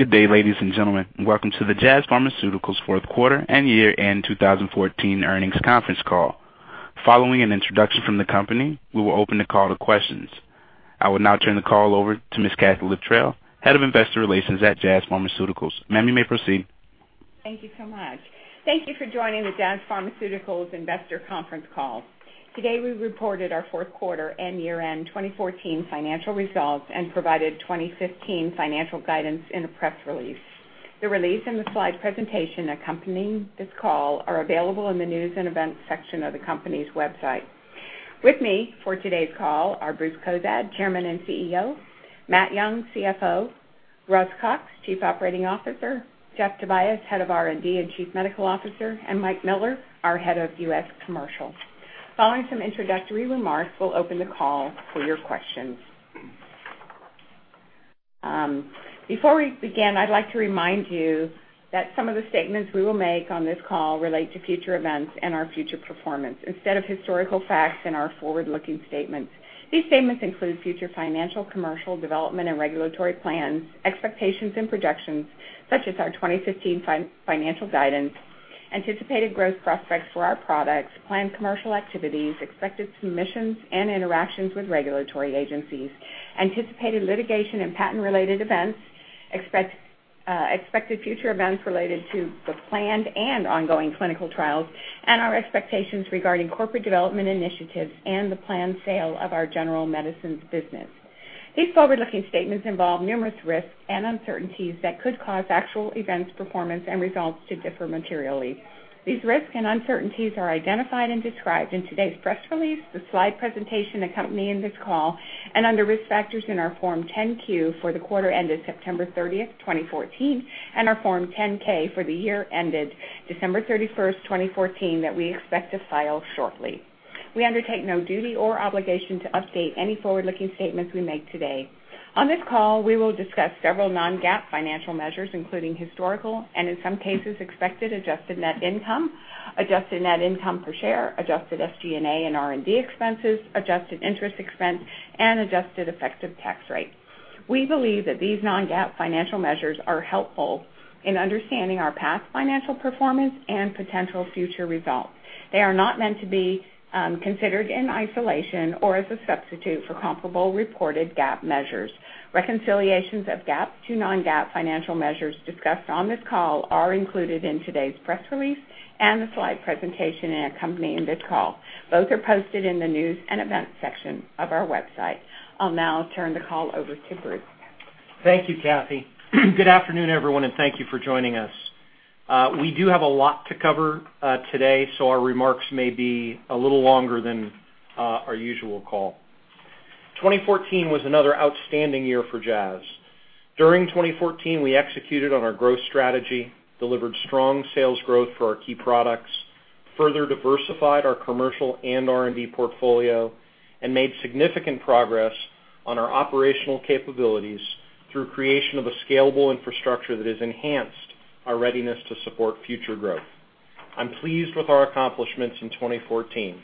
Good day, ladies and gentlemen. Welcome to the Jazz Pharmaceuticals fourth quarter and year-end 2014 earnings conference call. Following an introduction from the company, we will open the call to questions. I will now turn the call over to Ms. Kathee Littrell, Head of Investor Relations at Jazz Pharmaceuticals. Ma'am, you may proceed. Thank you so much. Thank you for joining the Jazz Pharmaceuticals investor conference call. Today, we reported our fourth quarter and year-end 2014 financial results and provided 2015 financial guidance in a press release. The release and the slide presentation accompanying this call are available in the News and Events section of the company's website. With me for today's call are Bruce Cozadd, Chairman and CEO, Matt Young, CFO, Russ Cox, Chief Operating Officer, Jeff Tobias, Head of R&D and Chief Medical Officer, and Mike Miller, our Head of U.S. Commercial. Following some introductory remarks, we'll open the call for your questions. Before we begin, I'd like to remind you that some of the statements we will make on this call relate to future events and our future performance instead of historical facts in our forward-looking statements. These statements include future financial, commercial, development, and regulatory plans, expectations and projections such as our 2015 financial guidance, anticipated growth prospects for our products, planned commercial activities, expected submissions and interactions with regulatory agencies, anticipated litigation and patent-related events, expected future events related to the planned and ongoing clinical trials, and our expectations regarding corporate development initiatives and the planned sale of our general medicines business. These forward-looking statements involve numerous risks and uncertainties that could cause actual events, performance, and results to differ materially. These risks and uncertainties are identified and described in today's press release, the slide presentation accompanying this call, and under Risk Factors in our Form 10-Q for the quarter ended September 30th, 2014, and our Form 10-K for the year ended December 31st, 2014, that we expect to file shortly. We undertake no duty or obligation to update any forward-looking statements we make today. On this call, we will discuss several non-GAAP financial measures, including historical and, in some cases, expected adjusted net income, adjusted net income per share, adjusted SG&A and R&D expenses, adjusted interest expense, and adjusted effective tax rate. We believe that these non-GAAP financial measures are helpful in understanding our past financial performance and potential future results. They are not meant to be considered in isolation or as a substitute for comparable reported GAAP measures. Reconciliations of GAAP to non-GAAP financial measures discussed on this call are included in today's press release and the slide presentation accompanying this call. Both are posted in the News & Events section of our website. I'll now turn the call over to Bruce. Thank you, Kathee. Good afternoon, everyone, and thank you for joining us. We do have a lot to cover today, so our remarks may be a little longer than our usual call. 2014 was another outstanding year for Jazz. During 2014, we executed on our growth strategy, delivered strong sales growth for our key products, further diversified our commercial and R&D portfolio, and made significant progress on our operational capabilities through creation of a scalable infrastructure that has enhanced our readiness to support future growth. I'm pleased with our accomplishments in 2014,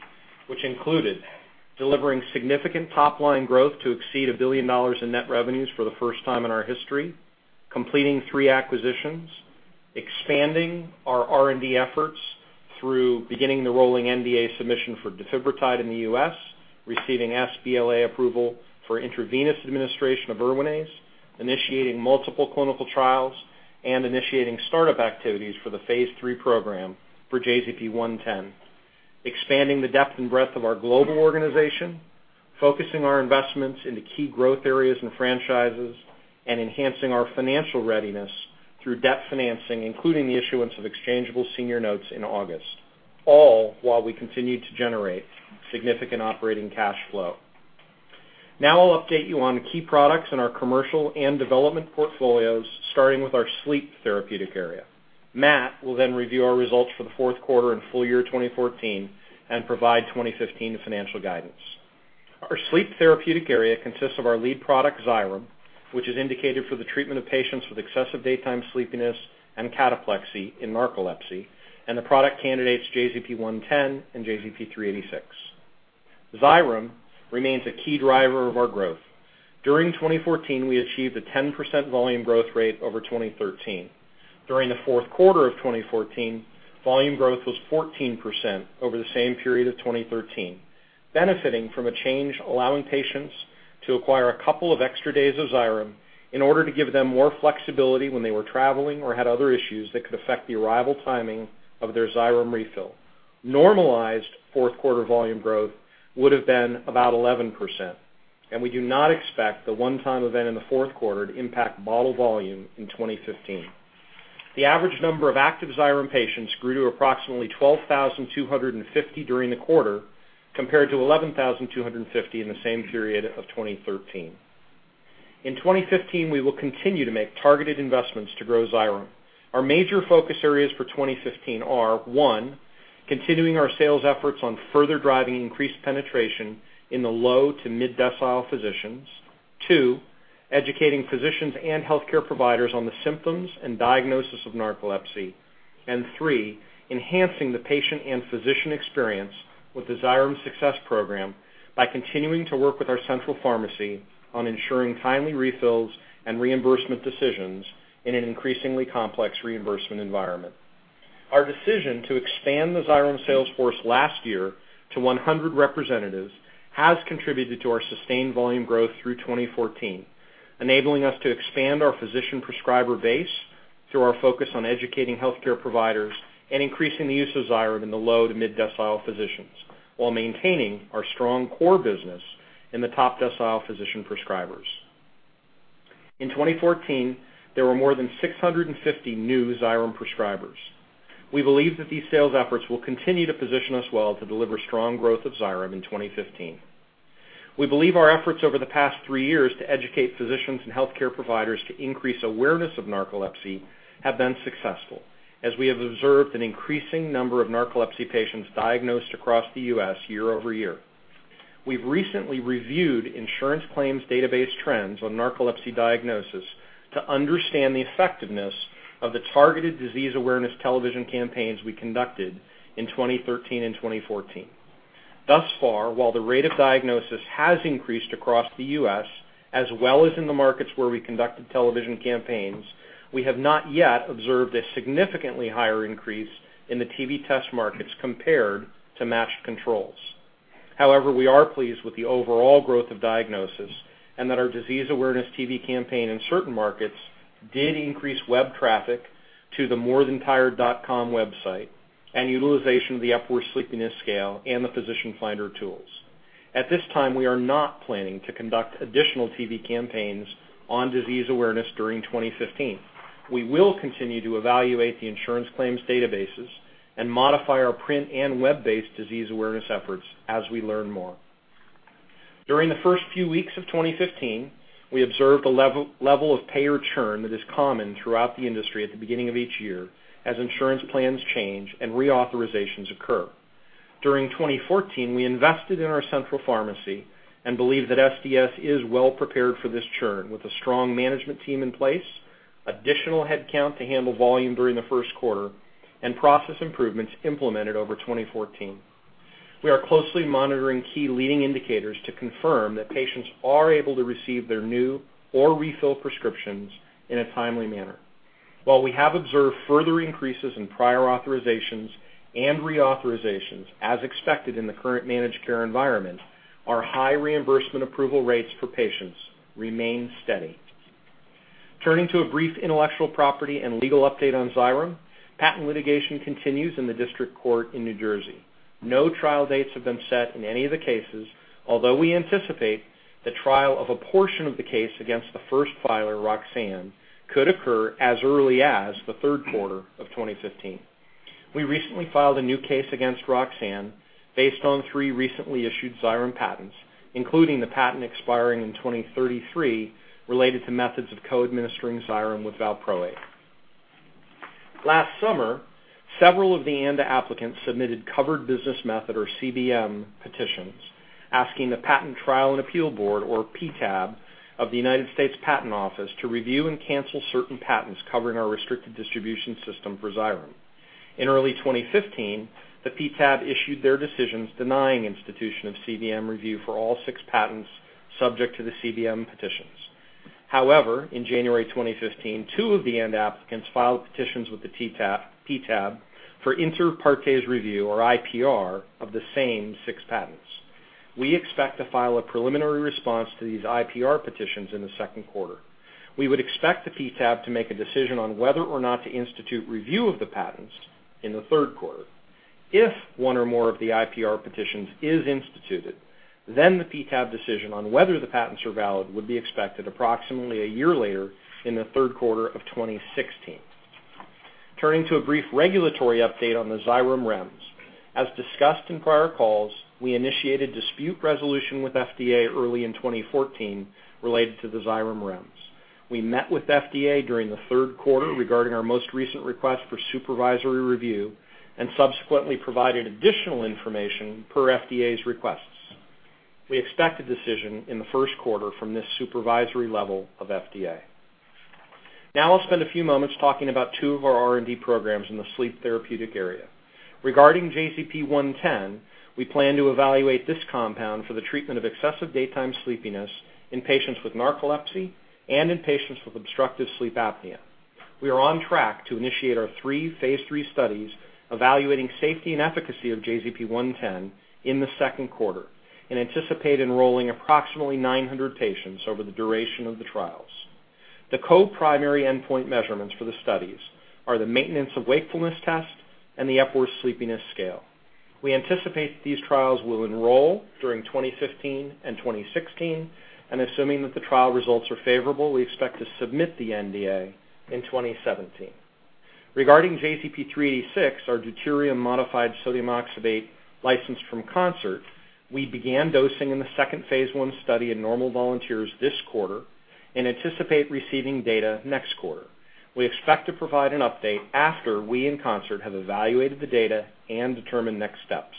which included delivering significant top-line growth to exceed $1 billion in net revenues for the first time in our history, completing three acquisitions, expanding our R&D efforts through beginning the rolling NDA submission for defibrotide in the U.S., receiving sBLA approval for intravenous administration of ERWINAZE, initiating multiple clinical trials, and initiating startup activities for the phase III program for JZP-110, expanding the depth and breadth of our global organization, focusing our investments into key growth areas and franchises, and enhancing our financial readiness through debt financing, including the issuance of exchangeable senior notes in August, all while we continued to generate significant operating cash flow. Now I'll update you on key products in our commercial and development portfolios, starting with our sleep therapeutic area. Matt will then review our results for the fourth quarter and full year 2014 and provide 2015 financial guidance. Our sleep therapeutic area consists of our lead product, XYREM, which is indicated for the treatment of patients with excessive daytime sleepiness and cataplexy in narcolepsy, and the product candidates JZP-110 and JZP-386. XYREM remains a key driver of our growth. During 2014, we achieved a 10% volume growth rate over 2013. During the fourth quarter of 2014, volume growth was 14% over the same period of 2013, benefiting from a change allowing patients to acquire a couple of extra days of XYREM in order to give them more flexibility when they were traveling or had other issues that could affect the arrival timing of their XYREM refill. Normalized fourth quarter volume growth would have been about 11%, and we do not expect the one-time event in the fourth quarter to impact bottle volume in 2015. The average number of active XYREM patients grew to approximately 12,250 during the quarter, compared to 11,250 in the same period of 2013. In 2015, we will continue to make targeted investments to grow XYREM. Our major focus areas for 2015 are, one, continuing our sales efforts on further driving increased penetration in the low to mid-decile physicians. Two, educating physicians and healthcare providers on the symptoms and diagnosis of narcolepsy. Three, enhancing the patient and physician experience with the XYREM Success Program by continuing to work with our central pharmacy on ensuring timely refills and reimbursement decisions in an increasingly complex reimbursement environment. Our decision to expand the XYREM sales force last year to 100 representatives has contributed to our sustained volume growth through 2014, enabling us to expand our physician prescriber base through our focus on educating healthcare providers and increasing the use of XYREM in the low- to mid-decile physicians while maintaining our strong core business in the top-decile physician prescribers. In 2014, there were more than 650 new XYREM prescribers. We believe that these sales efforts will continue to position us well to deliver strong growth of XYREM in 2015. We believe our efforts over the past three years to educate physicians and healthcare providers to increase awareness of narcolepsy have been successful as we have observed an increasing number of narcolepsy patients diagnosed across the U.S. year-over-year. We've recently reviewed insurance claims database trends on narcolepsy diagnosis to understand the effectiveness of the targeted disease awareness television campaigns we conducted in 2013 and 2014. Thus far, while the rate of diagnosis has increased across the U.S. as well as in the markets where we conducted television campaigns, we have not yet observed a significantly higher increase in the TV test markets compared to matched controls. However, we are pleased with the overall growth of diagnosis and that our disease awareness TV campaign in certain markets did increase web traffic to the MoreThanTired.com website and utilization of the Epworth Sleepiness Scale and the physician finder tools. At this time, we are not planning to conduct additional TV campaigns on disease awareness during 2015. We will continue to evaluate the insurance claims databases and modify our print and web-based disease awareness efforts as we learn more. During the first few weeks of 2015, we observed a level of payer churn that is common throughout the industry at the beginning of each year as insurance plans change and reauthorizations occur. During 2014, we invested in our central pharmacy and believe that SDS is well prepared for this churn with a strong management team in place, additional headcount to handle volume during the first quarter and process improvements implemented over 2014. We are closely monitoring key leading indicators to confirm that patients are able to receive their new or refill prescriptions in a timely manner. While we have observed further increases in prior authorizations and reauthorizations as expected in the current managed care environment, our high reimbursement approval rates for patients remain steady. Turning to a brief intellectual property and legal update on XYREM. Patent litigation continues in the district court in New Jersey. No trial dates have been set in any of the cases, although we anticipate the trial of a portion of the case against the first filer, Roxane, could occur as early as the third quarter of 2015. We recently filed a new case against Roxane based on three recently issued XYREM patents, including the patent expiring in 2033 related to methods of co-administering XYREM with valproate. Last summer, several of the ANDA applicants submitted covered business method, or CBM, petitions asking the Patent Trial and Appeal Board, or PTAB, of the United States Patent Office to review and cancel certain patents covering our restricted distribution system for XYREM. In early 2015, the PTAB issued their decisions denying institution of CBM review for all six patents subject to the CBM petitions. However, in January 2015, two of the ANDA applicants filed petitions with the PTAB for inter partes review, or IPR, of the same six patents. We expect to file a preliminary response to these IPR petitions in the second quarter. We would expect the PTAB to make a decision on whether or not to institute review of the patents in the third quarter. If one or more of the IPR petitions is instituted, then the PTAB decision on whether the patents are valid would be expected approximately a year later in the third quarter of 2016. Turning to a brief regulatory update on the XYREM REMS. As discussed in prior calls, we initiated dispute resolution with FDA early in 2014 related to the XYREM REMS. We met with FDA during the third quarter regarding our most recent request for supervisory review and subsequently provided additional information per FDA's requests. We expect a decision in the first quarter from this supervisory level of FDA. Now I'll spend a few moments talking about two of our R&D programs in the sleep therapeutic area. Regarding JZP-110, we plan to evaluate this compound for the treatment of excessive daytime sleepiness in patients with narcolepsy and in patients with obstructive sleep apnea. We are on track to initiate our three phase III studies evaluating safety and efficacy of JZP-110 in the second quarter and anticipate enrolling approximately 900 patients over the duration of the trials. The co-primary endpoint measurements for the studies are the Maintenance of Wakefulness Test and the Epworth Sleepiness Scale. We anticipate that these trials will enroll during 2015 and 2016. Assuming that the trial results are favorable, we expect to submit the NDA in 2017. Regarding JZP-386, our deuterium-modified sodium oxybate licensed from Concert, we began dosing in the second phase I study in normal volunteers this quarter and anticipate receiving data next quarter. We expect to provide an update after we and Concert have evaluated the data and determined next steps.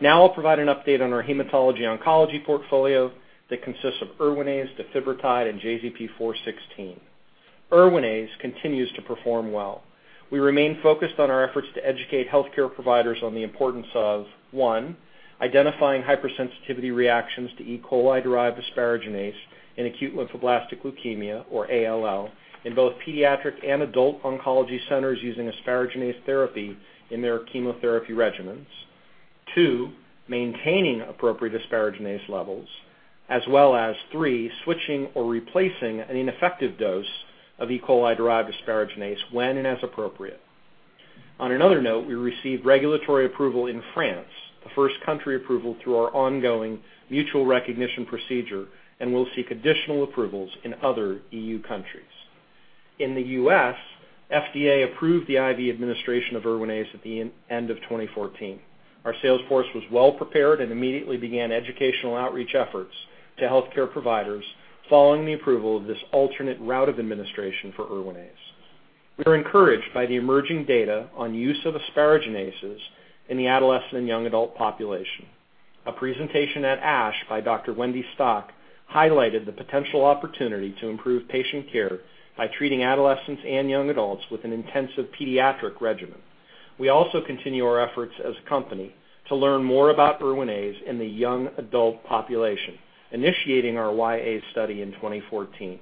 Now I'll provide an update on our hematology/oncology portfolio that consists of ERWINAZE, defibrotide and JZP-416. ERWINAZE continues to perform well. We remain focused on our efforts to educate healthcare providers on the importance of one, identifying hypersensitivity reactions to E. coli-derived asparaginase in acute lymphoblastic leukemia, or ALL, in both pediatric and adult oncology centers using asparaginase therapy in their chemotherapy regimens. Two, maintaining appropriate asparaginase levels, as well as three, switching or replacing an ineffective dose of E. coli-derived asparaginase when and as appropriate. On another note, we received regulatory approval in France, the first country approval through our ongoing mutual recognition procedure, and we'll seek additional approvals in other EU countries. In the U.S., FDA approved the IV administration of ERWINAZE at the end of 2014. Our sales force was well-prepared and immediately began educational outreach efforts to healthcare providers following the approval of this alternate route of administration for ERWINAZE. We are encouraged by the emerging data on use of asparaginases in the adolescent and young adult population. A presentation at ASH by Dr. Wendy Stock highlighted the potential opportunity to improve patient care by treating adolescents and young adults with an intensive pediatric regimen. We also continue our efforts as a company to learn more about ERWINAZE in the young adult population, initiating our YA study in 2014.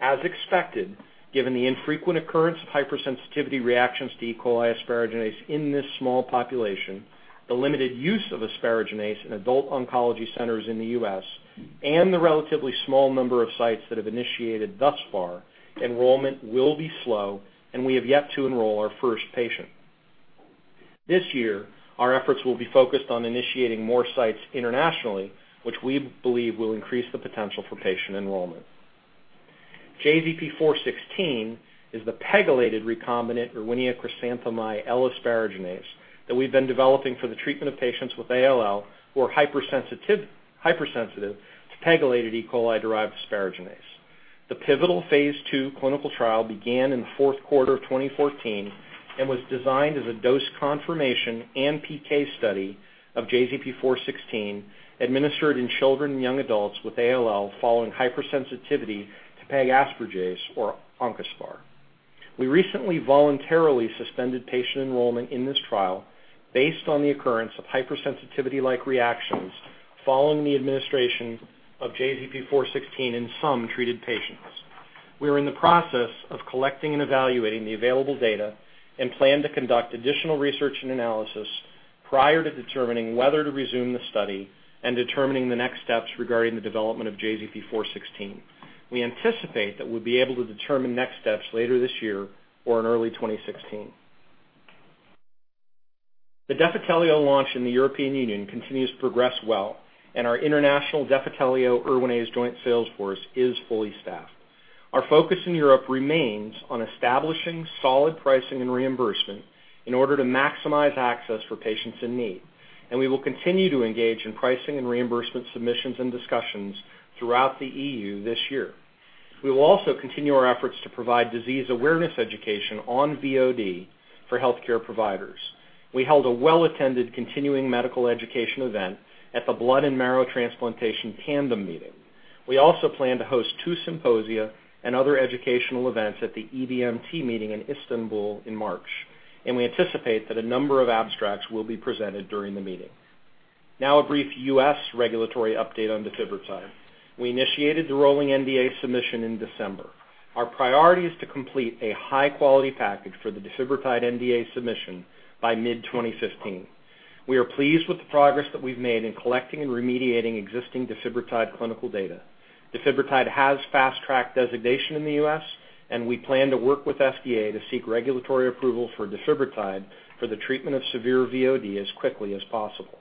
As expected, given the infrequent occurrence of hypersensitivity reactions to E. coli asparaginase in this small population, the limited use of asparaginase in adult oncology centers in the U.S., and the relatively small number of sites that have initiated thus far, enrollment will be slow, and we have yet to enroll our first patient. This year, our efforts will be focused on initiating more sites internationally, which we believe will increase the potential for patient enrollment. JZP-416 is the pegylated recombinant Erwinia chrysanthemi L-asparaginase that we've been developing for the treatment of patients with ALL who are hypersensitive to pegylated E. coli-derived asparaginase. The pivotal phase II clinical trial began in the fourth quarter of 2014 and was designed as a dose confirmation and PK study of JZP-416 administered in children and young adults with ALL following hypersensitivity to Pegaspargase or Oncaspar. We recently voluntarily suspended patient enrollment in this trial based on the occurrence of hypersensitivity-like reactions following the administration of JZP-416 in some treated patients. We are in the process of collecting and evaluating the available data and plan to conduct additional research and analysis prior to determining whether to resume the study and determining the next steps regarding the development of JZP-416. We anticipate that we'll be able to determine next steps later this year or in early 2016. The Defitelio launch in the European Union continues to progress well, and our international Defitelio ERWINAZE joint sales force is fully staffed. Our focus in Europe remains on establishing solid pricing and reimbursement in order to maximize access for patients in need, and we will continue to engage in pricing and reimbursement submissions and discussions throughout the EU this year. We will also continue our efforts to provide disease awareness education on VOD for healthcare providers. We held a well-attended continuing medical education event at the Blood & Marrow Transplantation Tandem meeting. We also plan to host two symposia and other educational events at the EBMT meeting in Istanbul in March, and we anticipate that a number of abstracts will be presented during the meeting. Now a brief U.S. regulatory update on defibrotide. We initiated the rolling NDA submission in December. Our priority is to complete a high-quality package for the defibrotide NDA submission by mid-2015. We are pleased with the progress that we've made in collecting and remediating existing defibrotide clinical data. Defibrotide has Fast Track designation in the U.S., and we plan to work with FDA to seek regulatory approval for defibrotide for the treatment of severe VOD as quickly as possible.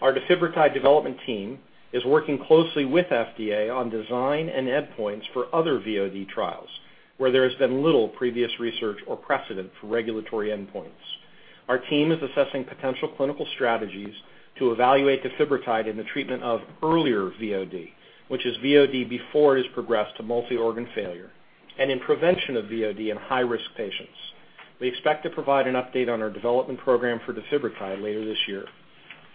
Our defibrotide development team is working closely with FDA on design and endpoints for other VOD trials where there has been little previous research or precedent for regulatory endpoints. Our team is assessing potential clinical strategies to evaluate defibrotide in the treatment of earlier VOD, which is VOD before it has progressed to multi-organ failure, and in prevention of VOD in high-risk patients. We expect to provide an update on our development program for defibrotide later this year.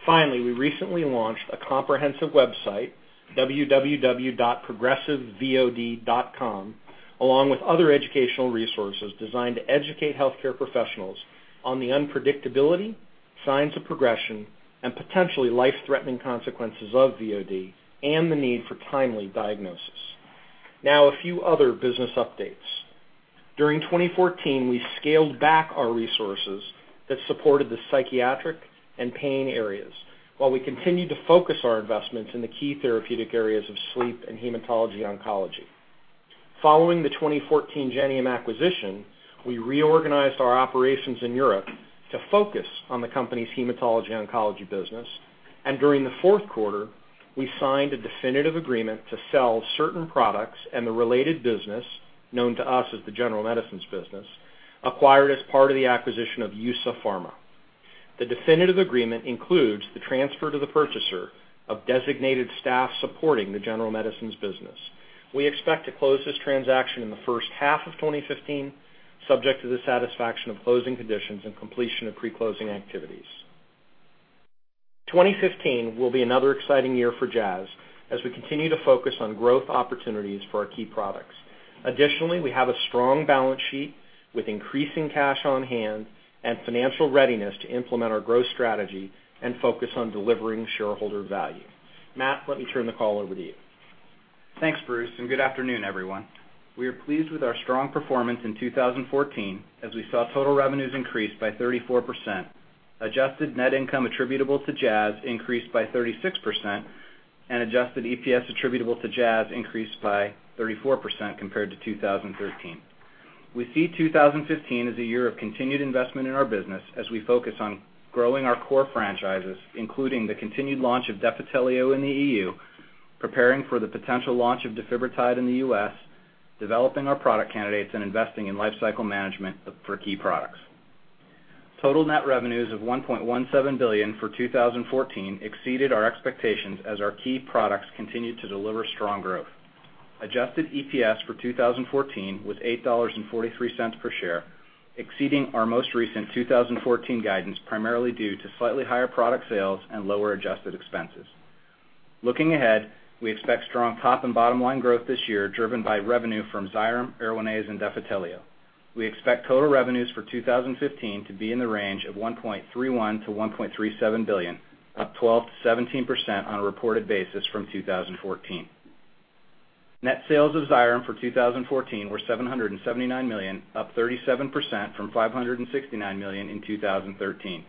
Finally, we recently launched a comprehensive website, www.ProgressiveVOD.com, along with other educational resources designed to educate healthcare professionals on the unpredictability, signs of progression, and potentially life-threatening consequences of VOD and the need for timely diagnosis. Now a few other business updates. During 2014, we scaled back our resources that supported the psychiatric and pain areas while we continued to focus our investments in the key therapeutic areas of sleep and hematology-oncology. Following the 2014 Gentium acquisition, we reorganized our operations in Europe to focus on the company's hematology-oncology business. During the fourth quarter, we signed a definitive agreement to sell certain products and the related business, known to us as the general medicines business, acquired as part of the acquisition of EUSA Pharma. The definitive agreement includes the transfer to the purchaser of designated staff supporting the general medicines business. We expect to close this transaction in the first half of 2015, subject to the satisfaction of closing conditions and completion of pre-closing activities. 2015 will be another exciting year for Jazz as we continue to focus on growth opportunities for our key products. Additionally, we have a strong balance sheet with increasing cash on hand and financial readiness to implement our growth strategy and focus on delivering shareholder value. Matt, let me turn the call over to you. Thanks, Bruce, and good afternoon, everyone. We are pleased with our strong performance in 2014 as we saw total revenues increase by 34%, adjusted net income attributable to Jazz increased by 36%, and adjusted EPS attributable to Jazz increased by 34% compared to 2013. We see 2015 as a year of continued investment in our business as we focus on growing our core franchises, including the continued launch of Defitelio in the EU, preparing for the potential launch of defibrotide in the U.S., developing our product candidates, and investing in lifecycle management for key products. Total net revenues of $1.17 billion for 2014 exceeded our expectations as our key products continued to deliver strong growth. Adjusted EPS for 2014 was $8.43 per share, exceeding our most recent 2014 guidance, primarily due to slightly higher product sales and lower adjusted expenses. Looking ahead, we expect strong top and bottom line growth this year, driven by revenue from XYREM, ERWINAZE and Defitelio. We expect total revenues for 2015 to be in the range of $1.31 billion-$1.37 billion, up 12%-17% on a reported basis from 2014. Net sales of XYREM for 2014 were $779 million, up 37% from $569 million in 2013.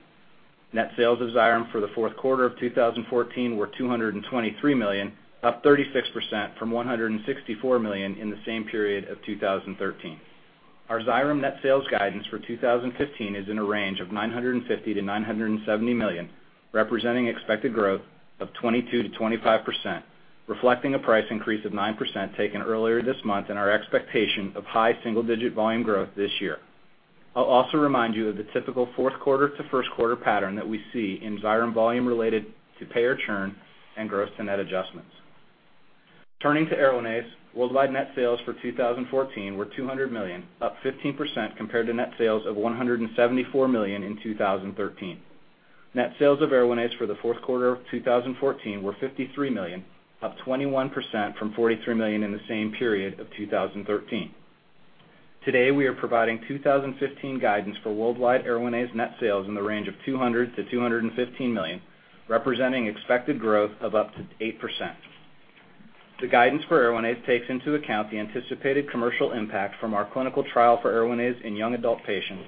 Net sales of XYREM for the fourth quarter of 2014 were $223 million, up 36% from $164 million in the same period of 2013. Our XYREM net sales guidance for 2015 is in a range of $950 million-$970 million, representing expected growth of 22%-25%, reflecting a price increase of 9% taken earlier this month and our expectation of high single-digit volume growth this year. I'll also remind you of the typical fourth quarter to first quarter pattern that we see in XYREM volume related to payer churn and gross to net adjustments. Turning to ERWINAZE. Worldwide net sales for 2014 were $200 million, up 15% compared to net sales of $174 million in 2013. Net sales of ERWINAZE for the fourth quarter of 2014 were $53 million, up 21% from $43 million in the same period of 2013. Today, we are providing 2015 guidance for worldwide ERWINAZE net sales in the range of $200 million-$215 million, representing expected growth of up to 8%. The guidance for ERWINAZE takes into account the anticipated commercial impact from our clinical trial for ERWINAZE in young adult patients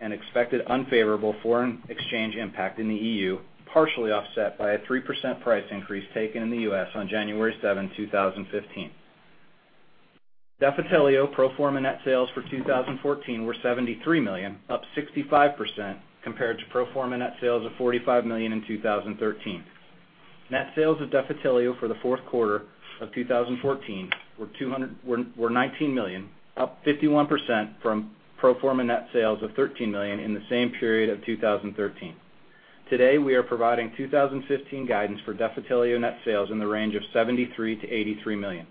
and expected unfavorable foreign exchange impact in the EU, partially offset by a 3% price increase taken in the U.S. on January 7, 2015. Defitelio pro forma net sales for 2014 were $73 million, up 65% compared to pro forma net sales of $45 million in 2013. Net sales of Defitelio for the fourth quarter of 2014 were $19 million, up 51% from pro forma net sales of $13 million in the same period of 2013. Today, we are providing 2015 guidance for Defitelio net sales in the range of $73 million-$83 million.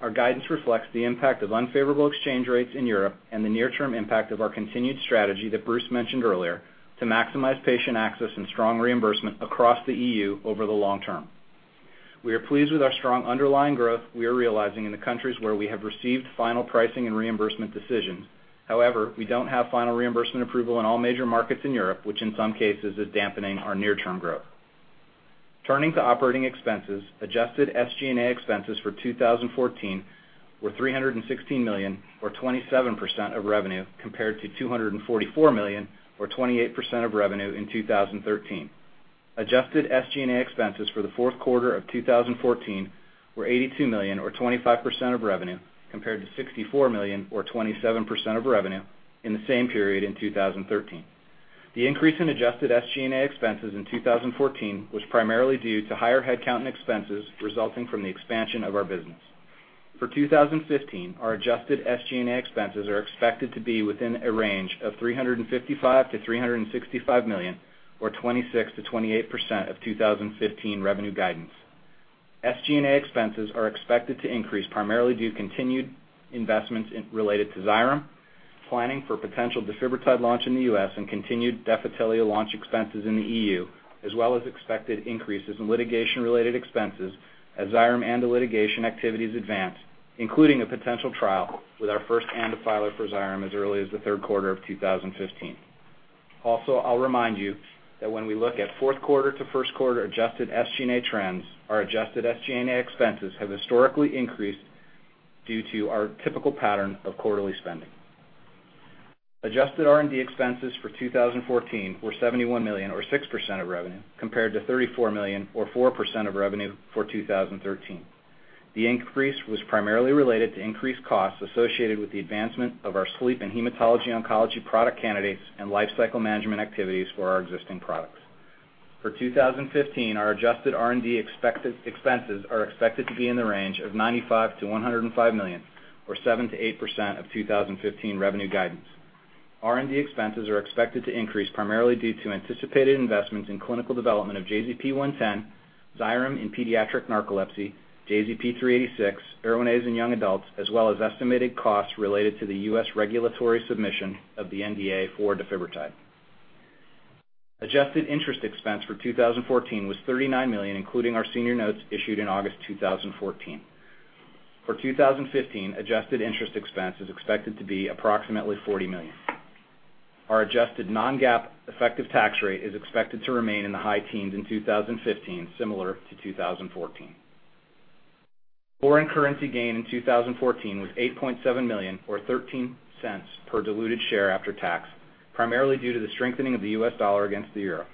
Our guidance reflects the impact of unfavorable exchange rates in Europe and the near term impact of our continued strategy that Bruce mentioned earlier to maximize patient access and strong reimbursement across the EU over the long term. We are pleased with our strong underlying growth we are realizing in the countries where we have received final pricing and reimbursement decisions. However, we don't have final reimbursement approval in all major markets in Europe, which in some cases is dampening our near-term growth. Turning to operating expenses, adjusted SG&A expenses for 2014 were $316 million or 27% of revenue, compared to $244 million or 28% of revenue in 2013. Adjusted SG&A expenses for the fourth quarter of 2014 were $82 million or 25% of revenue, compared to $64 million or 27% of revenue in the same period in 2013. The increase in adjusted SG&A expenses in 2014 was primarily due to higher headcount and expenses resulting from the expansion of our business. For 2015, our adjusted SG&A expenses are expected to be within a range of $355 million-$365 million, or 26%-28% of 2015 revenue guidance. SG&A expenses are expected to increase primarily due to continued investments related to XYREM, planning for potential defibrotide launch in the U.S., and continued Defitelio launch expenses in the EU, as well as expected increases in litigation-related expenses as XYREM and the litigation activities advance, including a potential trial with our first ANDA filer for XYREM as early as the third quarter of 2015. Also, I'll remind you that when we look at fourth-quarter-to-first-quarter adjusted SG&A trends, our adjusted SG&A expenses have historically increased due to our typical pattern of quarterly spending. Adjusted R&D expenses for 2014 were $71 million or 6% of revenue, compared to $34 million or 4% of revenue for 2013. The increase was primarily related to increased costs associated with the advancement of our sleep and hematology/oncology product candidates and lifecycle management activities for our existing products. For 2015, our adjusted R&D expenses are expected to be in the range of $95 million-$105 million, or 7%-8% of 2015 revenue guidance. R&D expenses are expected to increase primarily due to anticipated investments in clinical development of JZP-110, XYREM in pediatric narcolepsy, JZP-386, ERWINAZE in young adults, as well as estimated costs related to the U.S. regulatory submission of the NDA for defibrotide. Adjusted interest expense for 2014 was $39 million, including our senior notes issued in August 2014. For 2015, adjusted interest expense is expected to be approximately $40 million. Our adjusted non-GAAP effective tax rate is expected to remain in the high teens in 2015, similar to 2014. Foreign currency gain in 2014 was $8.7 million or $0.13 per diluted share after tax, primarily due to the strengthening of the U.S. dollar against the euro.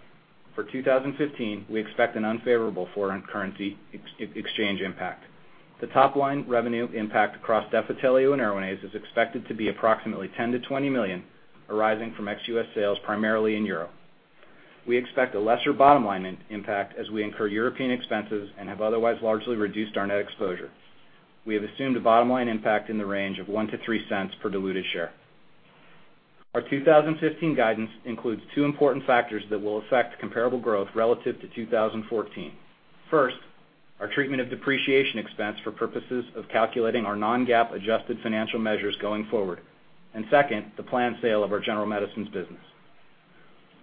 For 2015, we expect an unfavorable foreign currency exchange impact. The top line revenue impact across Defitelio and ERWINAZE is expected to be approximately $10 million-$20 million, arising from ex-U.S. sales primarily in Europe. We expect a lesser bottom-line impact as we incur European expenses and have otherwise largely reduced our net exposure. We have assumed a bottom-line impact in the range of $0.01-$0.03 per diluted share. Our 2015 guidance includes two important factors that will affect comparable growth relative to 2014. First, our treatment of depreciation expense for purposes of calculating our non-GAAP adjusted financial measures going forward. Second, the planned sale of our general medicines business.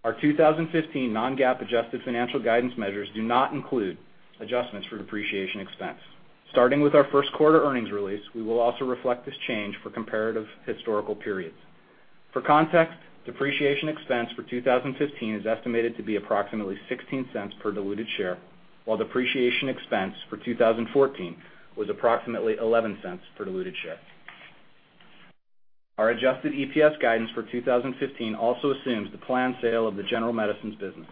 Our 2015 non-GAAP adjusted financial guidance measures do not include adjustments for depreciation expense. Starting with our first quarter earnings release, we will also reflect this change for comparative historical periods. For context, depreciation expense for 2015 is estimated to be approximately $0.16 per diluted share, while depreciation expense for 2014 was approximately $0.11 per diluted share. Our adjusted EPS guidance for 2015 also assumes the planned sale of the general medicines business.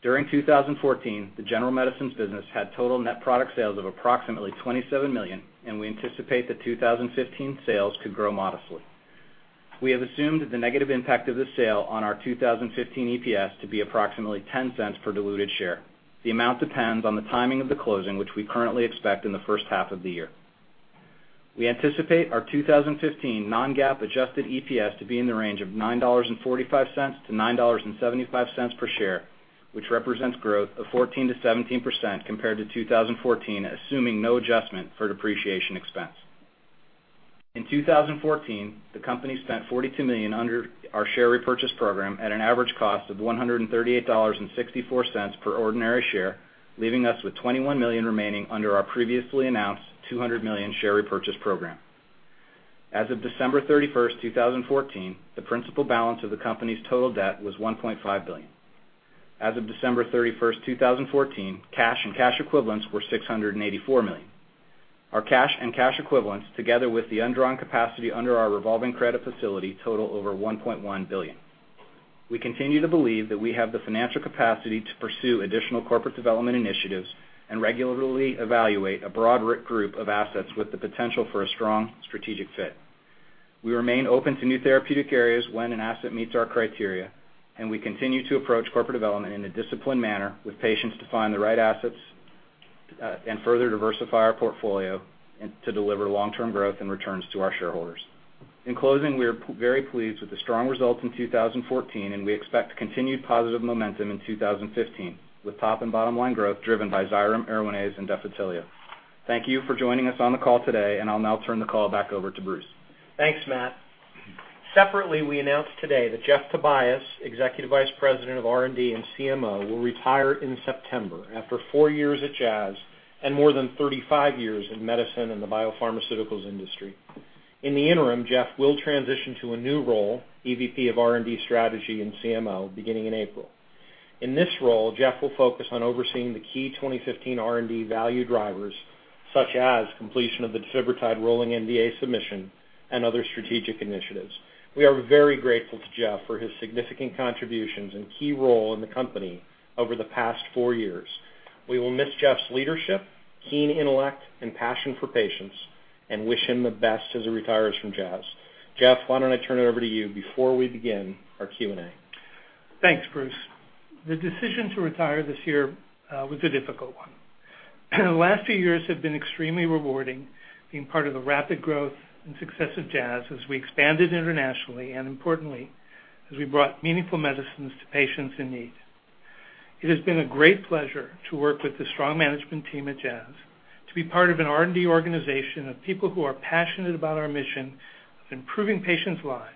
During 2014, the general medicines business had total net product sales of approximately $27 million, and we anticipate that 2015 sales could grow modestly. We have assumed that the negative impact of the sale on our 2015 EPS to be approximately $0.10 per diluted share. The amount depends on the timing of the closing, which we currently expect in the first half of the year. We anticipate our 2015 non-GAAP adjusted EPS to be in the range of $9.45-$9.75 per share, which represents growth of 14%-17% compared to 2014, assuming no adjustment for depreciation expense. In 2014, the company spent $42 million under our share repurchase program at an average cost of $138.64 per ordinary share, leaving us with $21 million remaining under our previously announced $200 million share repurchase program. As of December 31st, 2014, the principal balance of the company's total debt was $1.5 billion. As of December 31st, 2014, cash and cash equivalents were $684 million. Our cash and cash equivalents, together with the undrawn capacity under our revolving credit facility, total over $1.1 billion. We continue to believe that we have the financial capacity to pursue additional corporate development initiatives and regularly evaluate a broad group of assets with the potential for a strong strategic fit. We remain open to new therapeutic areas when an asset meets our criteria, and we continue to approach corporate development in a disciplined manner with patience to find the right assets, and further diversify our portfolio and to deliver long-term growth and returns to our shareholders. In closing, we are very pleased with the strong results in 2014, and we expect continued positive momentum in 2015, with top and bottom line growth driven by XYREM, ERWINAZE and Defitelio. Thank you for joining us on the call today, and I'll now turn the call back over to Bruce. Thanks, Matt. Separately, we announced today that Jeff Tobias, Executive Vice President of R&D and CMO, will retire in September after four years at Jazz and more than 35 years in medicine and the biopharmaceuticals industry. In the interim, Jeff will transition to a new role, EVP of R&D Strategy and CMO, beginning in April. In this role, Jeff will focus on overseeing the key 2015 R&D value drivers, such as completion of the defibrotide rolling NDA submission and other strategic initiatives. We are very grateful to Jeff for his significant contributions and key role in the company over the past four years. We will miss Jeff's leadership, keen intellect and passion for patients, and wish him the best as he retires from Jazz. Jeff, why don't I turn it over to you before we begin our Q&A? Thanks, Bruce. The decision to retire this year was a difficult one. The last few years have been extremely rewarding, being part of the rapid growth and success of Jazz as we expanded internationally and importantly, as we brought meaningful medicines to patients in need. It has been a great pleasure to work with the strong management team at Jazz, to be part of an R&D organization of people who are passionate about our mission of improving patients' lives.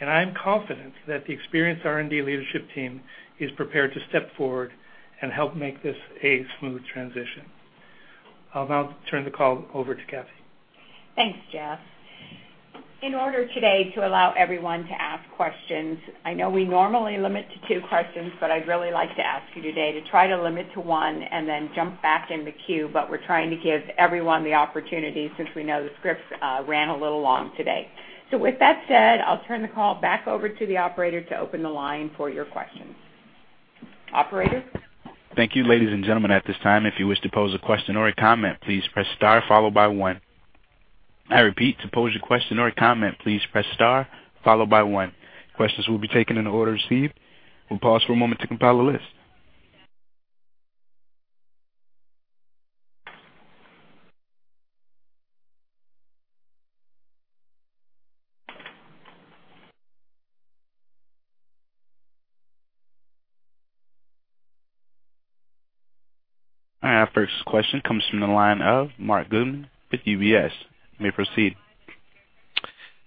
I am confident that the experienced R&D leadership team is prepared to step forward and help make this a smooth transition. I'll now turn the call over to Kathee. Thanks, Jeff. In order today to allow everyone to ask questions, I know we normally limit to two questions, but I'd really like to ask you today to try to limit to one and then jump back in the queue, but we're trying to give everyone the opportunity since we know the script ran a little long today. With that said, I'll turn the call back over to the operator to open the line for your questions. Operator? Thank you, ladies and gentlemen. At this time, if you wish to pose a question or a comment, please press star followed by one. I repeat, to pose a question or a comment, please press star followed by one. Questions will be taken in the order received. We'll pause for a moment to compile a list. All right, our first question comes from the line of Marc Goodman with UBS. You may proceed.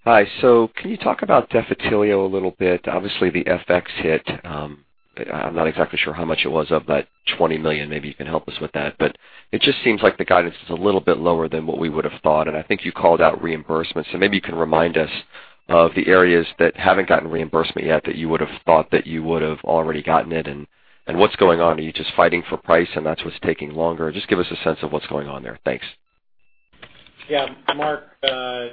Hi. Can you talk about Defitelio a little bit? Obviously, the FX hit. I'm not exactly sure how much it was of that $20 million. Maybe you can help us with that. It just seems like the guidance is a little bit lower than what we would have thought, and I think you called out reimbursements. Maybe you can remind us of the areas that haven't gotten reimbursement yet that you would have thought that you would have already gotten it, and what's going on. Are you just fighting for price and that's what's taking longer? Just give us a sense of what's going on there. Thanks. Yeah, Marc,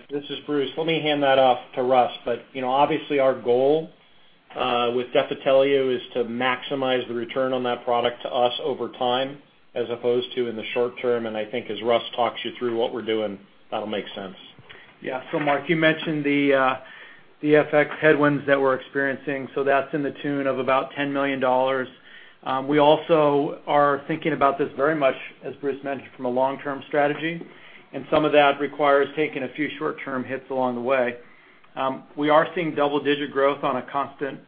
this is Bruce. Let me hand that off to Russ. You know, obviously our goal with Defitelio is to maximize the return on that product to us over time, as opposed to in the short term, and I think as Russ talks you through what we're doing, that'll make sense. Yeah. Marc, you mentioned the FX headwinds that we're experiencing, so that's to the tune of about $10 million. We also are thinking about this very much, as Bruce mentioned, from a long-term strategy, and some of that requires taking a few short-term hits along the way. We are seeing double-digit growth on a constant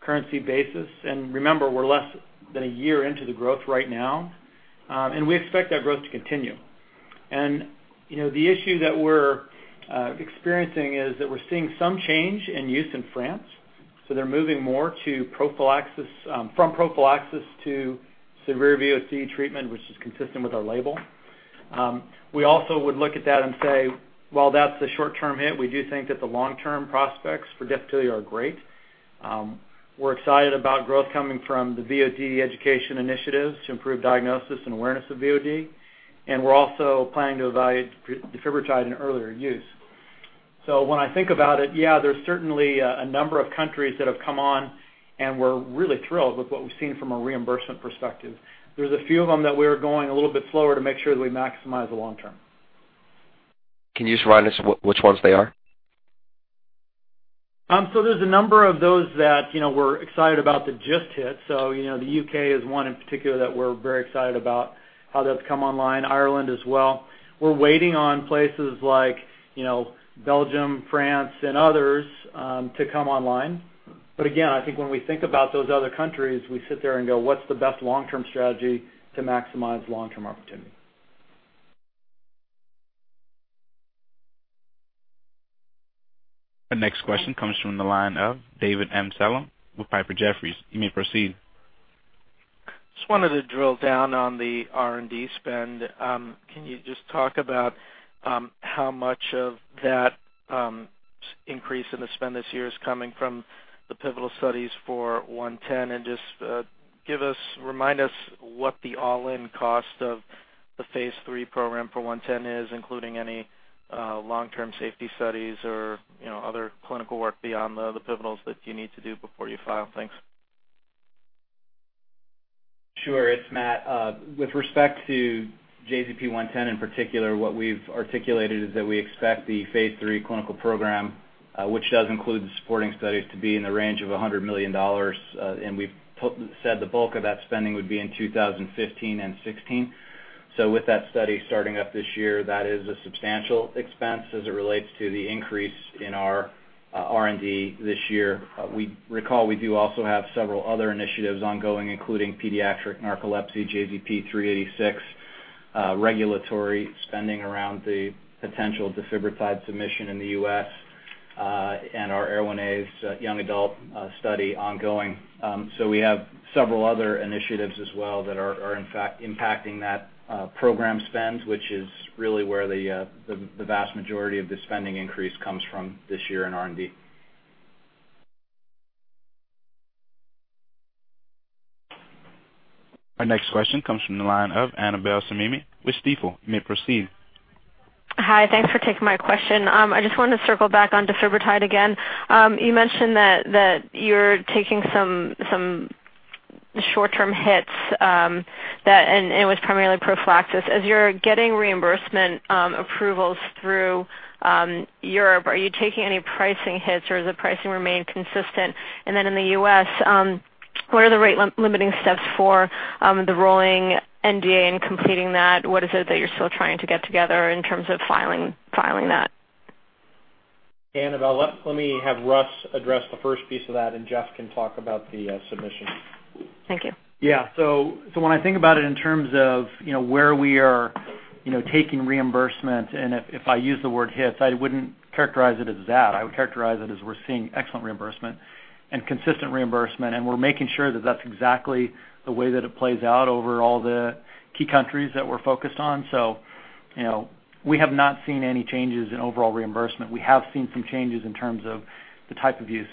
currency basis. Remember, we're less than a year into the growth right now, and we expect that growth to continue. You know, the issue that we're experiencing is that we're seeing some change in use in France. They're moving more from prophylaxis to severe VOD treatment, which is consistent with our label. We also would look at that and say, while that's a short-term hit, we do think that the long-term prospects for Defitelio are great. We're excited about growth coming from the VOD education initiatives to improve diagnosis and awareness of VOD. We're also planning to evaluate defibrotide in earlier use. When I think about it, yeah, there's certainly a number of countries that have come on, and we're really thrilled with what we've seen from a reimbursement perspective. There's a few of them that we're going a little bit slower to make sure that we maximize the long term. Can you just remind us which ones they are? There's a number of those that, you know, we're excited about that just hit. You know, the U.K. is one in particular that we're very excited about how that's come online. Ireland as well. We're waiting on places like, you know, Belgium, France, and others, to come online. Again, I think when we think about those other countries, we sit there and go, what's the best long-term strategy to maximize long-term opportunity? The next question comes from the line of David Amsellem with Piper Jaffray. You may proceed. Just wanted to drill down on the R&D spend. Can you just talk about how much of that increase in the spend this year is coming from the pivotal studies for 110? Just remind us what the all-in cost of the phase III program for 110 is, including any long-term safety studies or you know other clinical work beyond the pivotals that you need to do before you file. Thanks. Sure. It's Matt. With respect to JZP-110 in particular, what we've articulated is that we expect the phase III clinical program, which does include the supporting studies, to be in the range of $100 million. We've said the bulk of that spending would be in 2015 and 2016. With that study starting up this year, that is a substantial expense as it relates to the increase in our R&D this year. We recall we do also have several other initiatives ongoing, including pediatric narcolepsy, JZP-386, regulatory spending around the potential defibrotide submission in the U.S., and our ERWINAZE young adult study ongoing. We have several other initiatives as well that are in fact impacting that program spend, which is really where the vast majority of the spending increase comes from this year in R&D. Our next question comes from the line of Annabel Samimy with Stifel. You may proceed. Hi. Thanks for taking my question. I just wanted to circle back on defibrotide again. You mentioned that you're taking some short-term hits, and it was primarily prophylaxis. As you're getting reimbursement approvals through Europe, are you taking any pricing hits, or does the pricing remain consistent? In the U.S., what are the rate limiting steps for the rolling NDA and completing that? What is it that you're still trying to get together in terms of filing that? Annabel, let me have Russ address the first piece of that, and Jeff can talk about the submission. Thank you. Yeah. When I think about it in terms of, you know, where we are, you know, taking reimbursement, and if I use the word hits, I wouldn't characterize it as that. I would characterize it as we're seeing excellent reimbursement and consistent reimbursement, and we're making sure that that's exactly the way that it plays out over all the key countries that we're focused on. You know, we have not seen any changes in overall reimbursement. We have seen some changes in terms of the type of use.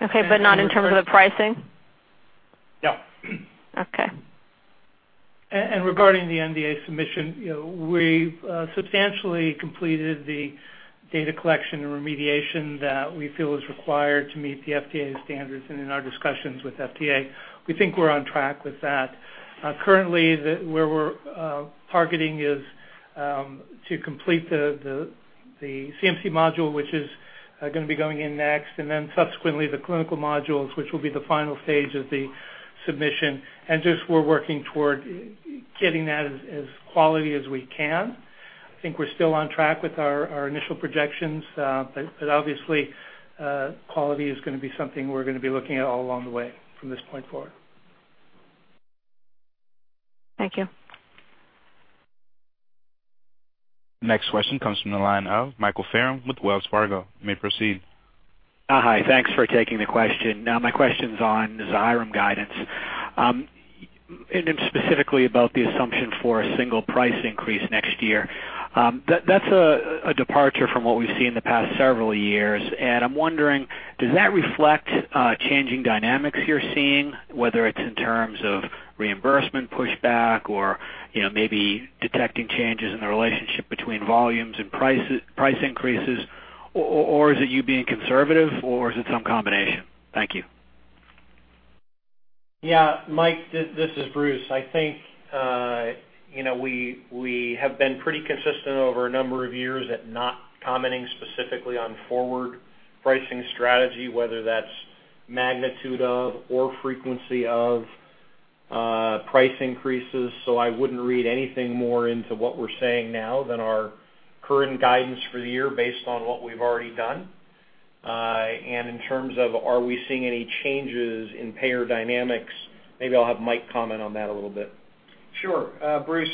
Okay. Not in terms of the pricing? No. Okay. Regarding the NDA submission, you know, we've substantially completed the data collection and remediation that we feel is required to meet the FDA's standards. In our discussions with FDA, we think we're on track with that. Currently, where we're targeting is to complete the CMC module, which is gonna be going in next, and then subsequently the clinical modules, which will be the final stage of the submission. Just we're working toward getting that as quality as we can. I think we're still on track with our initial projections. But obviously, quality is gonna be something we're gonna be looking at all along the way from this point forward. Thank you. Next question comes from the line of Michael Faerm with Wells Fargo. You may proceed. Hi. Thanks for taking the question. Now my question's on XYREM guidance, and it's specifically about the assumption for a single price increase next year. That's a departure from what we've seen in the past several years. I'm wondering, does that reflect changing dynamics you're seeing, whether it's in terms of reimbursement pushback or, you know, maybe detecting changes in the relationship between volumes and prices, price increases? Or is it you being conservative or is it some combination? Thank you. Yeah. Mike, this is Bruce. I think, you know, we have been pretty consistent over a number of years at not commenting specifically on forward pricing strategy, whether that's magnitude of or frequency of, price increases. I wouldn't read anything more into what we're saying now than our current guidance for the year based on what we've already done. In terms of are we seeing any changes in payer dynamics, maybe I'll have Mike comment on that a little bit. Sure. Bruce,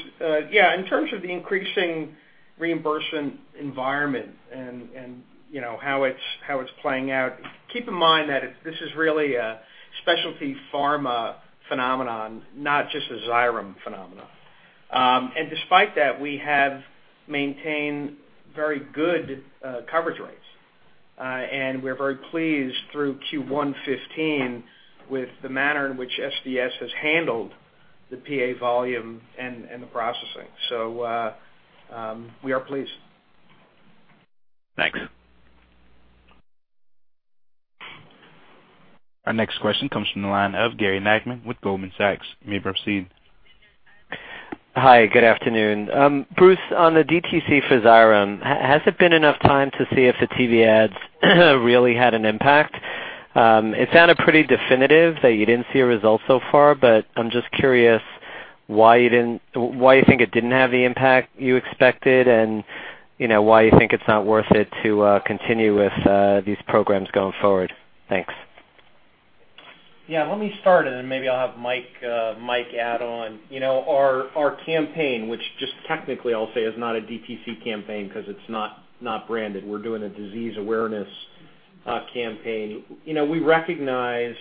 yeah, in terms of the increasing reimbursement environment and you know how it's playing out, keep in mind that this is really a specialty pharma phenomenon, not just a XYREM phenomenon. Despite that, we have maintained very good coverage rates. We're very pleased through Q1 2015 with the manner in which SDS has handled the PA volume and the processing. We are pleased. Thanks. Our next question comes from the line of Gary Nachman with Goldman Sachs. You may proceed. Hi, good afternoon. Bruce, on the DTC for XYREM, has it been enough time to see if the TV ads really had an impact? It sounded pretty definitive that you didn't see a result so far, but I'm just curious why you didn't, why you think it didn't have the impact you expected and, you know, why you think it's not worth it to continue with these programs going forward? Thanks. Yeah. Let me start and then maybe I'll have Mike add on. You know, our campaign, which just technically I'll say is not a DTC campaign because it's not branded. We're doing a disease awareness campaign. You know, we recognize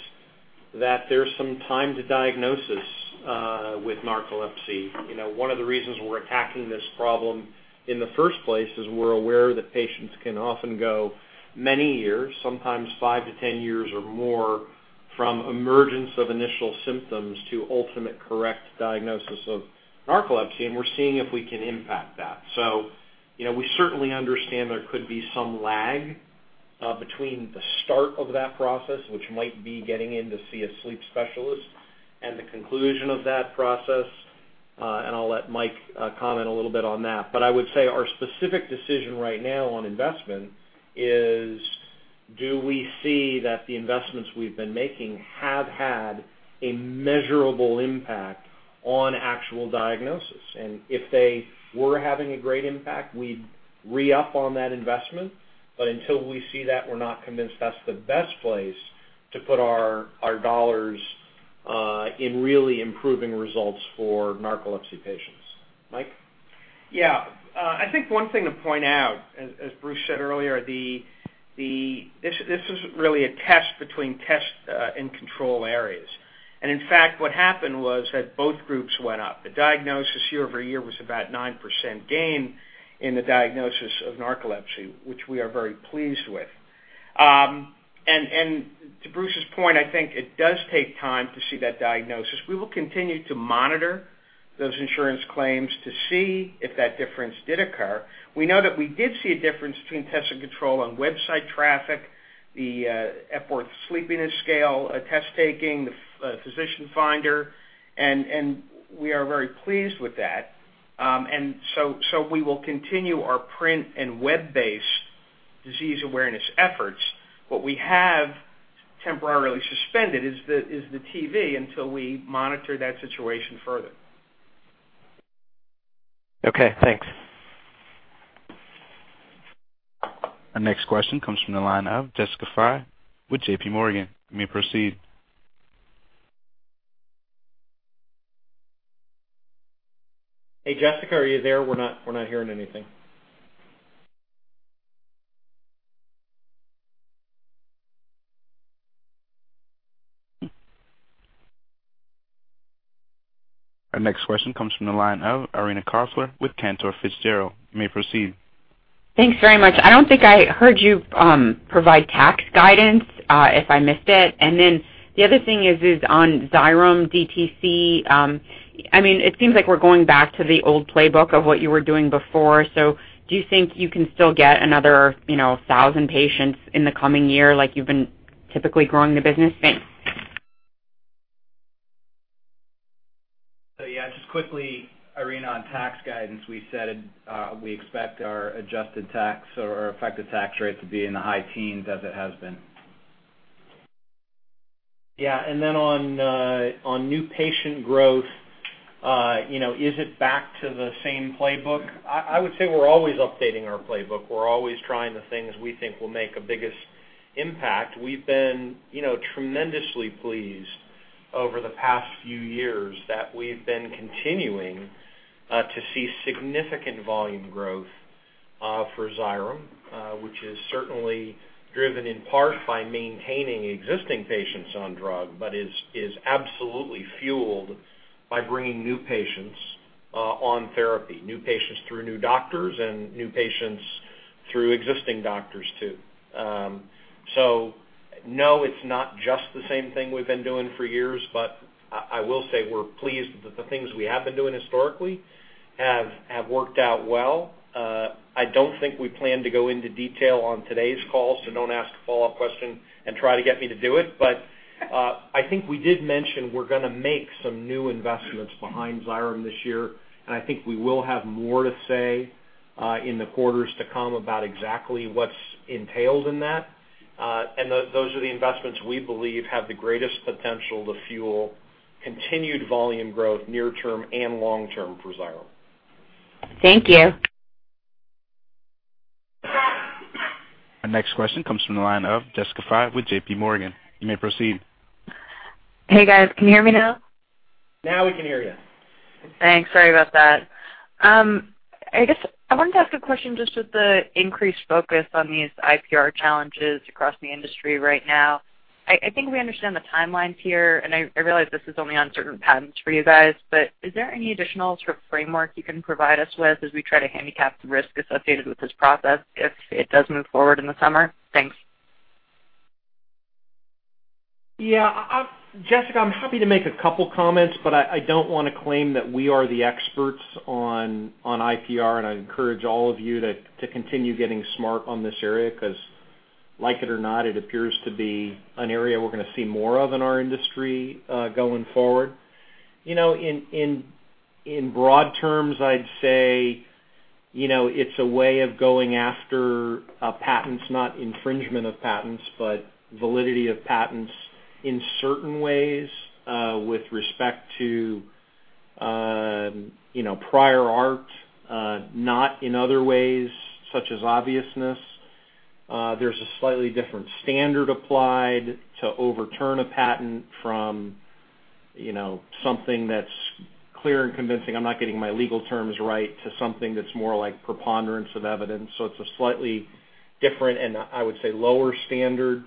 that there's some time to diagnosis with narcolepsy. You know, one of the reasons we're attacking this problem in the first place is we're aware that patients can often go many years, sometimes five to 10 years or more, from emergence of initial symptoms to ultimate correct diagnosis of narcolepsy, and we're seeing if we can impact that. You know, we certainly understand there could be some lag between the start of that process, which might be getting in to see a sleep specialist and the conclusion of that process, and I'll let Mike comment a little bit on that. I would say our specific decision right now on investment is do we see that the investments we've been making have had a measurable impact on actual diagnosis? If they were having a great impact, we'd re-up on that investment. Until we see that, we're not convinced that's the best place to put our dollars in really improving results for narcolepsy patients. Mike. Yeah. I think one thing to point out, as Bruce said earlier, this is really a test between test and control areas. In fact, what happened was that both groups went up. The diagnosis year-over-year was about 9% gain in the diagnosis of narcolepsy, which we are very pleased with. To Bruce's point, I think it does take time to see that diagnosis. We will continue to monitor those insurance claims to see if that difference did occur. We know that we did see a difference between test and control on website traffic, the Epworth Sleepiness Scale test taking, the physician finder, and we are very pleased with that. We will continue our print and web-based disease awareness efforts. What we have temporarily suspended is the TV until we monitor that situation further. Okay, thanks. Our next question comes from the line of Jessica Fye with JPMorgan. You may proceed. Hey, Jessica, are you there? We're not hearing anything. Our next question comes from the line of Irina Koffler with Cantor Fitzgerald. You may proceed. Thanks very much. I don't think I heard you provide tax guidance, if I missed it. The other thing is on XYREM DTC. I mean, it seems like we're going back to the old playbook of what you were doing before. Do you think you can still get another, you know, 1,000 patients in the coming year like you've been typically growing the business? Thanks. Yeah, just quickly, Irina, on tax guidance, we said, we expect our adjusted tax or our effective tax rate to be in the high teens as it has been. Yeah. Then on new patient growth, you know, is it back to the same playbook? I would say we're always updating our playbook. We're always trying the things we think will make a biggest impact. We've been, you know, tremendously pleased over the past few years that we've been continuing to see significant volume growth for XYREM, which is certainly driven in part by maintaining existing patients on drug, but is absolutely fueled by bringing new patients on therapy, new patients through new doctors and new patients through existing doctors too. No, it's not just the same thing we've been doing for years, but I will say we're pleased that the things we have been doing historically have worked out well. I don't think we plan to go into detail on today's call, so don't ask a follow-up question and try to get me to do it. I think we did mention we're gonna make some new investments behind XYREM this year, and I think we will have more to say in the quarters to come about exactly what's entailed in that. Those are the investments we believe have the greatest potential to fuel continued volume growth near term and long term for XYREM. Thank you. Our next question comes from the line of Jessica Fye with JPMorgan. You may proceed. Hey, guys. Can you hear me now? Now we can hear you. Thanks. Sorry about that. I guess I wanted to ask a question just with the increased focus on these IPR challenges across the industry right now. I think we understand the timelines here, and I realize this is only on certain patents for you guys. Is there any additional sort of framework you can provide us with as we try to handicap the risk associated with this process if it does move forward in the summer? Thanks. Yeah. Jessica, I'm happy to make a couple comments, but I don't wanna claim that we are the experts on IPR, and I encourage all of you to continue getting smart on this area 'cause like it or not, it appears to be an area we're gonna see more of in our industry going forward. You know, in broad terms, I'd say, you know, it's a way of going after patents. Not infringement of patents. But validity of patents in certain ways, with respect to, you know, prior art, not in other ways such as obviousness. There's a slightly different standard applied to overturn a patent from, you know, something that's clear and convincing. I'm not getting my legal terms right, to something that's more like preponderance of evidence. It's a slightly different and, I would say, lower standard.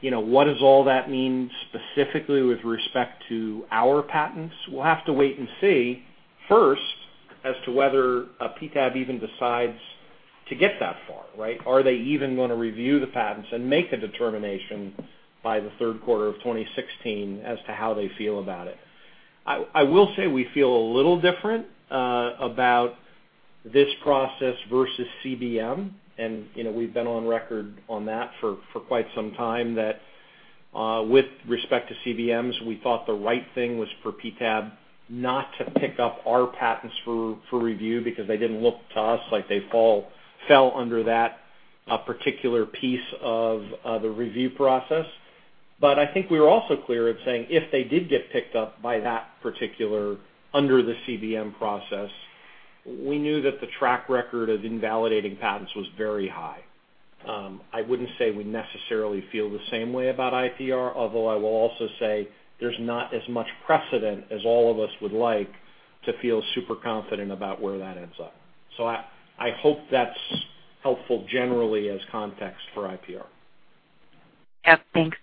You know, what does all that mean specifically with respect to our patents? We'll have to wait and see first as to whether PTAB even decides to get that far, right? Are they even gonna review the patents and make a determination by the third quarter of 2016 as to how they feel about it. I will say we feel a little different about this process versus CBM, and, you know, we've been on record on that for quite some time that with respect to CBMs, we thought the right thing was for PTAB not to pick up our patents for review because they didn't look to us like they fell under that particular piece of the review process. I think we were also clear in saying if they did get picked up by that particular under the CBM process, we knew that the track record of invalidating patents was very high. I wouldn't say we necessarily feel the same way about IPR, although I will also say there's not as much precedent as all of us would like to feel super confident about where that ends up. I hope that's helpful generally as context for IPR. Yeah. Thanks.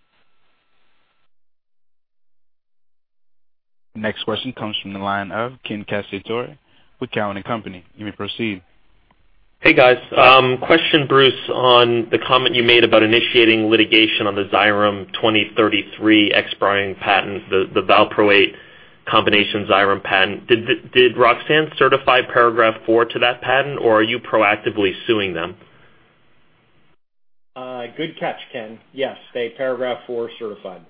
Next question comes from the line of Ken Cacciatore with Cowen and Company. You may proceed. Hey, guys. Question, Bruce, on the comment you made about initiating litigation on the XYREM 2033 expiring patents, the valproate combination XYREM patent. Did Roxane certify Paragraph IV to that patent, or are you proactively suing them? Good catch, Ken. Yes, they Paragraph IV certified.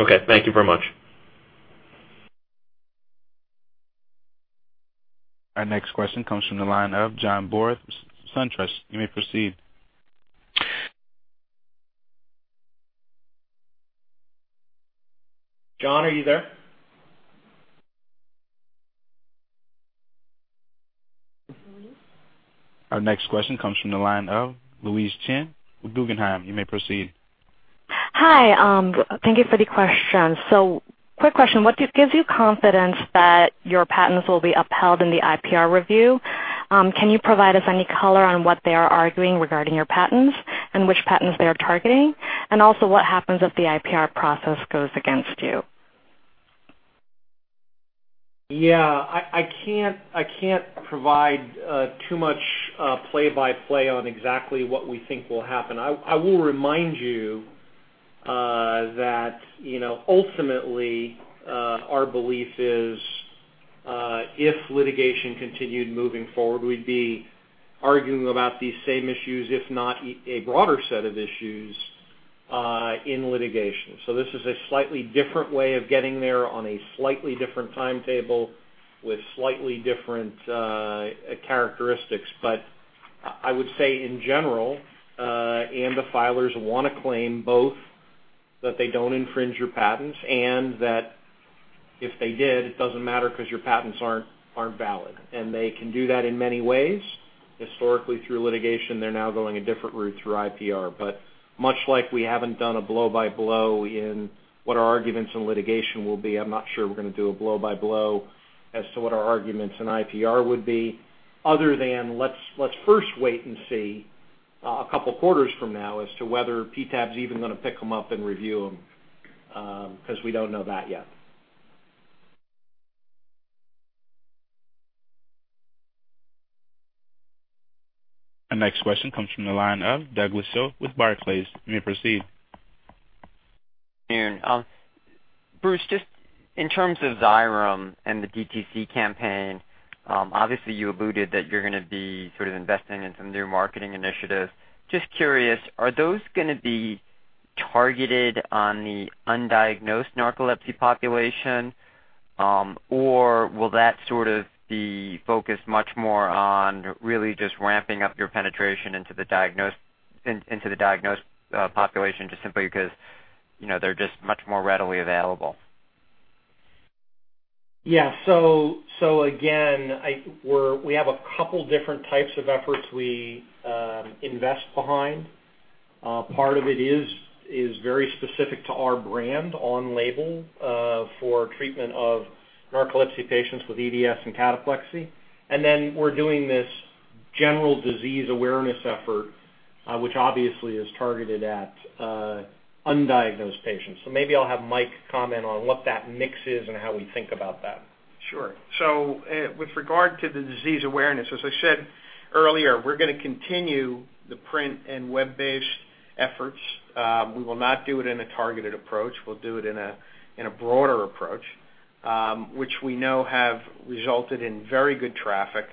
Okay. Thank you very much. Our next question comes from the line of John Boris, SunTrust. You may proceed. John, are you there? Our next question comes from the line of Louise Chen with Guggenheim. You may proceed. Hi. Thank you for the questions. Quick question. What gives you confidence that your patents will be upheld in the IPR review? Can you provide us any color on what they are arguing regarding your patents and which patents they are targeting? What happens if the IPR process goes against you? Yeah. I can't provide too much play-by-play on exactly what we think will happen. I will remind you that, you know, ultimately our belief is if litigation continued moving forward, we'd be arguing about these same issues, if not a broader set of issues, in litigation. This is a slightly different way of getting there on a slightly different timetable with slightly different characteristics. I would say in general, ANDA filers wanna claim both that they don't infringe your patents and that if they did, it doesn't matter because your patents aren't valid. They can do that in many ways. Historically, through litigation, they're now going a different route through IPR. Much like we haven't done a blow-by-blow in what our arguments in litigation will be, I'm not sure we're gonna do a blow-by-blow as to what our arguments in IPR would be, other than let's first wait and see a couple quarters from now as to whether PTAB is even gonna pick them up and review them, 'cause we don't know that yet. Our next question comes from the line of Douglas Tsao with Barclays. You may proceed. Bruce, just in terms of XYREM and the DTC campaign, obviously you alluded that you're gonna be sort of investing in some new marketing initiatives. Just curious, are those gonna be targeted on the undiagnosed narcolepsy population, or will that sort of be focused much more on really just ramping up your penetration into the diagnosed population just simply because, you know, they're just much more readily available? Again, we have a couple different types of efforts we invest behind. Part of it is very specific to our brand on label for treatment of narcolepsy patients with EDS and cataplexy. We're doing this general disease awareness effort, which obviously is targeted at undiagnosed patients. Maybe I'll have Mike comment on what that mix is and how we think about that. Sure. With regard to the disease awareness, as I said earlier, we're gonna continue the print and web-based efforts. We will not do it in a targeted approach. We'll do it in a broader approach, which we know have resulted in very good traffic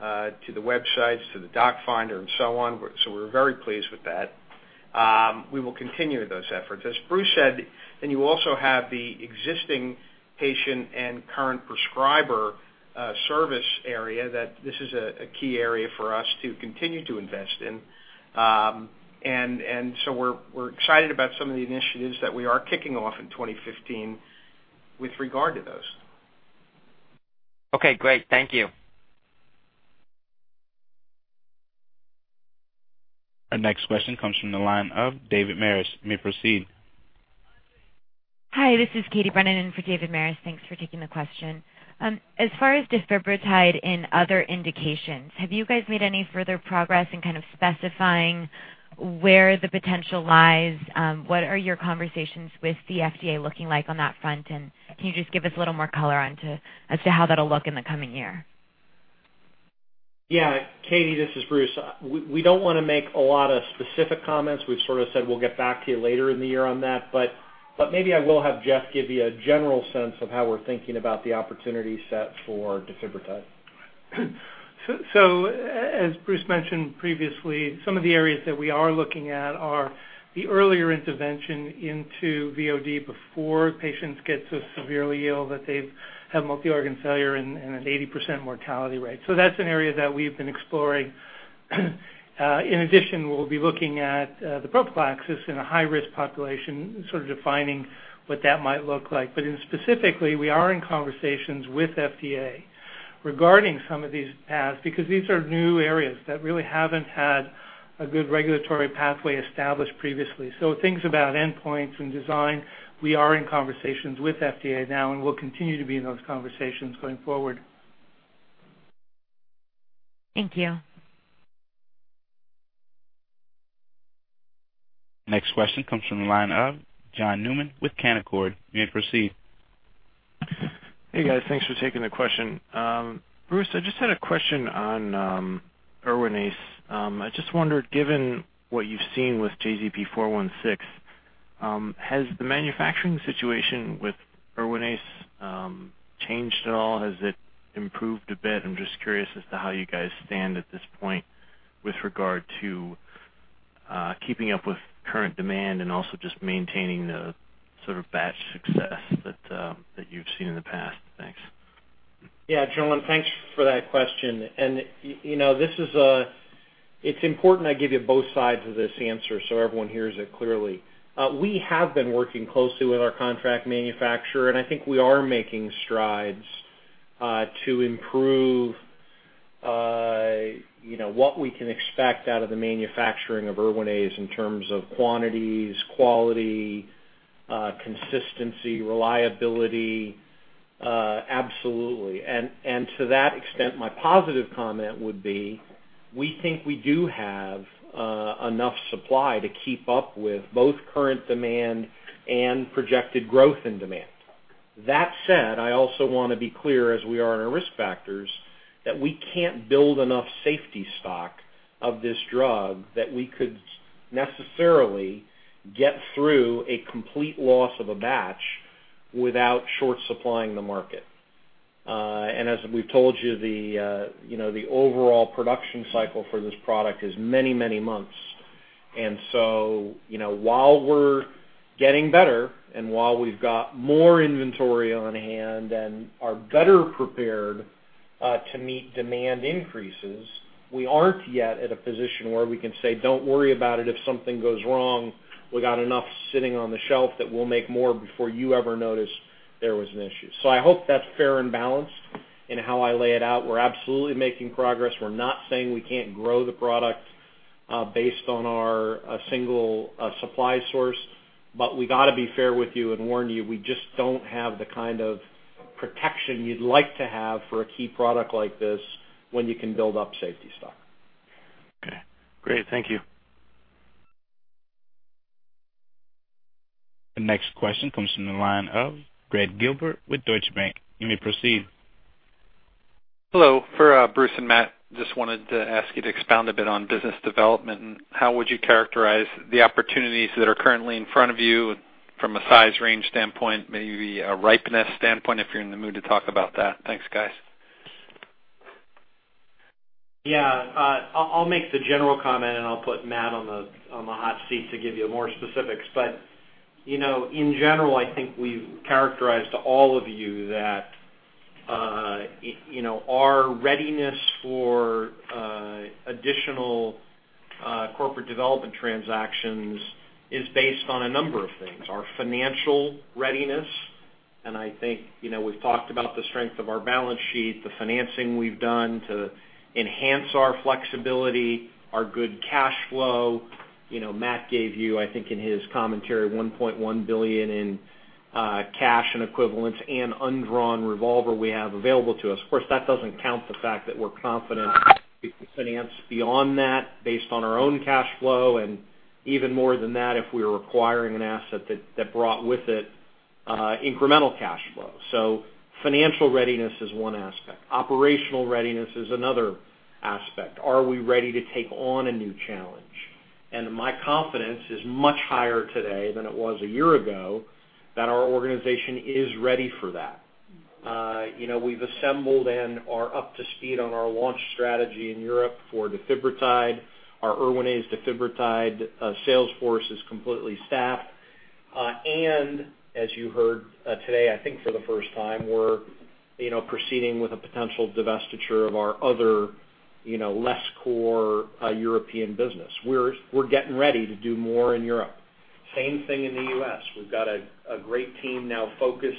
to the websites, to the doc finder and so on. We're very pleased with that. We will continue those efforts. As Bruce said, then you also have the existing patient and current prescriber service area that this is a key area for us to continue to invest in. We're excited about some of the initiatives that we are kicking off in 2015 with regard to those. Okay, great. Thank you. Our next question comes from the line of David Maris. You may proceed. Hi, this is Katie Brennan in for David Maris. Thanks for taking the question. As far as defibrotide in other indications, have you guys made any further progress in kind of specifying where the potential lies? What are your conversations with the FDA looking like on that front? Can you just give us a little more color as to how that'll look in the coming year? Yeah. Katie, this is Bruce. We don't wanna make a lot of specific comments. We've sort of said we'll get back to you later in the year on that. Maybe I will have Jeff give you a general sense of how we're thinking about the opportunity set for defibrotide. As Bruce mentioned previously, some of the areas that we are looking at are the earlier intervention into VOD before patients get so severely ill that they've had multi-organ failure and an 80% mortality rate. That's an area that we've been exploring. In addition, we'll be looking at the prophylaxis in a high-risk population, sort of defining what that might look like. Specifically, we are in conversations with FDA regarding some of these paths, because these are new areas that really haven't had a good regulatory pathway established previously. Things about endpoints and design, we are in conversations with FDA now, and we'll continue to be in those conversations going forward. Thank you. Next question comes from the line of John Newman with Canaccord. You may proceed. Hey, guys. Thanks for taking the question. Bruce, I just had a question on ERWINAZE. I just wondered, given what you've seen with JZP-416, has the manufacturing situation with ERWINAZE changed at all? Has it improved a bit? I'm just curious as to how you guys stand at this point with regard to keeping up with current demand and also just maintaining the sort of batch success that you've seen in the past. Thanks. Yeah, John, thanks for that question. You know, it's important I give you both sides of this answer so everyone hears it clearly. We have been working closely with our contract manufacturer, and I think we are making strides to improve, you know, what we can expect out of the manufacturing of ERWINAZE in terms of quantities, quality, consistency, reliability, absolutely. To that extent, my positive comment would be, we think we do have enough supply to keep up with both current demand and projected growth in demand. That said, I also wanna be clear, as we are in our risk factors, that we can't build enough safety stock of this drug that we could necessarily get through a complete loss of a batch without short supplying the market. As we've told you know, the overall production cycle for this product is many, many months. You know, while we're getting better and while we've got more inventory on hand and are better prepared to meet demand increases, we aren't yet at a position where we can say, "Don't worry about it. If something goes wrong, we got enough sitting on the shelf that we'll make more before you ever notice there was an issue." I hope that's fair and balanced. In how I lay it out, we're absolutely making progress. We're not saying we can't grow the product, based on our single supply source, but we gotta be fair with you and warn you, we just don't have the kind of protection you'd like to have for a key product like this when you can build up safety stock. Okay, great. Thank you. The next question comes from the line of Gregg Gilbert with Deutsche Bank. You may proceed. Hello. For Bruce and Matt, just wanted to ask you to expound a bit on business development, and how would you characterize the opportunities that are currently in front of you from a size range standpoint, maybe a ripeness standpoint, if you're in the mood to talk about that? Thanks, guys. Yeah. I'll make the general comment, and I'll put Matt on the hot seat to give you more specifics. You know, in general, I think we've characterized to all of you that you know, our readiness for additional corporate development transactions is based on a number of things. Our financial readiness, and I think, you know, we've talked about the strength of our balance sheet, the financing we've done to enhance our flexibility, our good cash flow. You know, Matt gave you, I think in his commentary, $1.1 billion in cash and equivalents and undrawn revolver we have available to us. Of course, that doesn't count the fact that we're confident we can finance beyond that based on our own cash flow, and even more than that, if we were acquiring an asset that brought with it incremental cash flow. Financial readiness is one aspect. Operational readiness is another aspect. Are we ready to take on a new challenge? My confidence is much higher today than it was a year ago that our organization is ready for that. You know, we've assembled and are up to speed on our launch strategy in Europe for defibrotide. Our ERWINAZE and defibrotide sales force is completely staffed. As you heard today, I think for the first time, we're, you know, proceeding with a potential divestiture of our other, you know, less core European business. We're getting ready to do more in Europe. Same thing in the U.S. We've got a great team now focused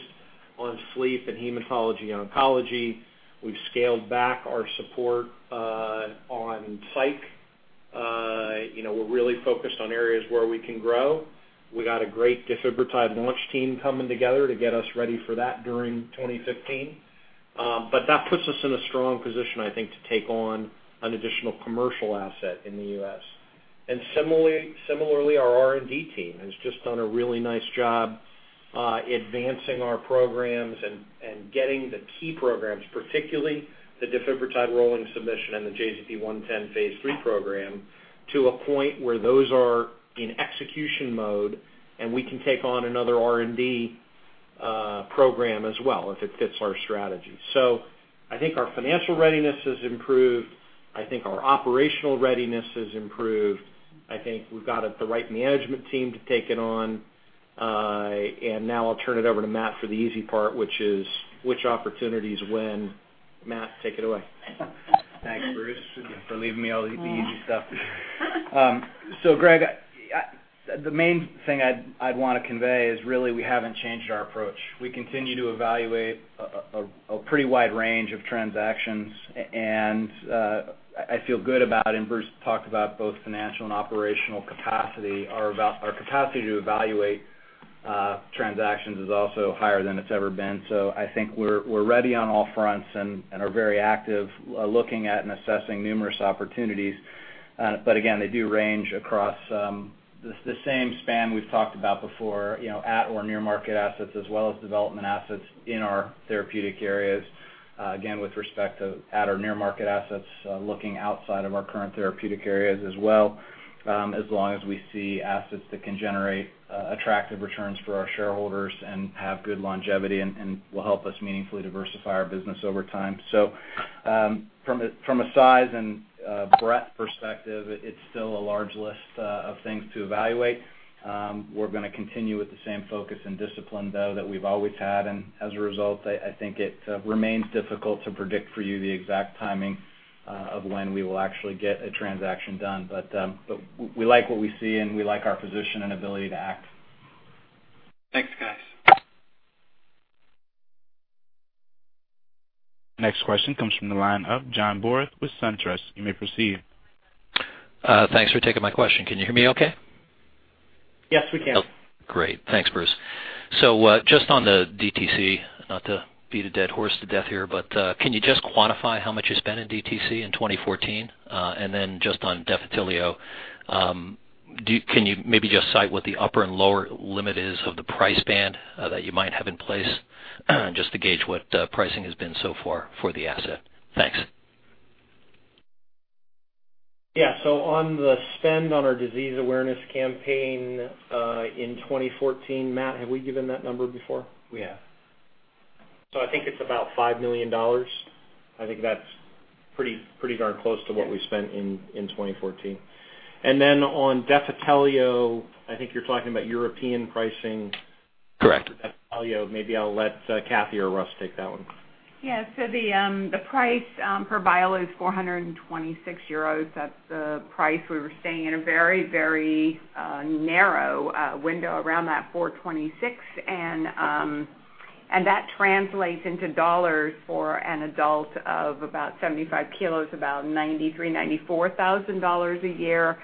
on sleep and hematology/oncology. We've scaled back our support on psych. You know, we're really focused on areas where we can grow. We got a great defibrotide launch team coming together to get us ready for that during 2015. That puts us in a strong position, I think, to take on an additional commercial asset in the U.S. Similarly, our R&D team has just done a really nice job advancing our programs and getting the key programs, particularly the defibrotide rolling submission and the JZP-110 phase III program, to a point where those are in execution mode, and we can take on another R&D program as well if it fits our strategy. I think our financial readiness has improved. I think our operational readiness has improved. I think we've got the right management team to take it on. Now I'll turn it over to Matt for the easy part, which is which opportunities when. Matt, take it away. Thanks, Bruce, for leaving me all the easy stuff. So Gregg, the main thing I'd wanna convey is really we haven't changed our approach. We continue to evaluate a pretty wide range of transactions. I feel good about it, and Bruce talked about both financial and operational capacity. Our capacity to evaluate transactions is also higher than it's ever been. I think we're ready on all fronts and are very active looking at and assessing numerous opportunities. Again, they do range across the same span we've talked about before, you know, at or near market assets as well as development assets in our therapeutic areas. Again, with respect to at or near market assets, looking outside of our current therapeutic areas as well, as long as we see assets that can generate attractive returns for our shareholders and have good longevity and will help us meaningfully diversify our business over time. From a size and breadth perspective, it's still a large list of things to evaluate. We're gonna continue with the same focus and discipline, though, that we've always had. As a result, I think it remains difficult to predict for you the exact timing of when we will actually get a transaction done. We like what we see, and we like our position and ability to act. Thanks, guys. Next question comes from the line of John Boris with SunTrust. You may proceed. Thanks for taking my question. Can you hear me okay? Yes, we can. Great. Thanks, Bruce. Just on the DTC, not to beat a dead horse to death here, but can you just quantify how much you spent in DTC in 2014? Just on Defitelio, can you maybe just cite what the upper and lower limit is of the price band that you might have in place, just to gauge what pricing has been so far for the asset? Thanks. Yeah. On the spend on our disease awareness campaign in 2014, Matt, have we given that number before? We have. I think it's about $5 million. I think that's pretty darn close to what we spent in 2014. On Defitelio, I think you're talking about European pricing. Correct. Defitelio, maybe I'll let Kathee or Russ take that one. Yeah. The price per vial is 426 euros. That's the price we were seeing in a very narrow window around that 426. That translates into dollars for an adult of about 75 kilos, about $93,000-$94,000 a year.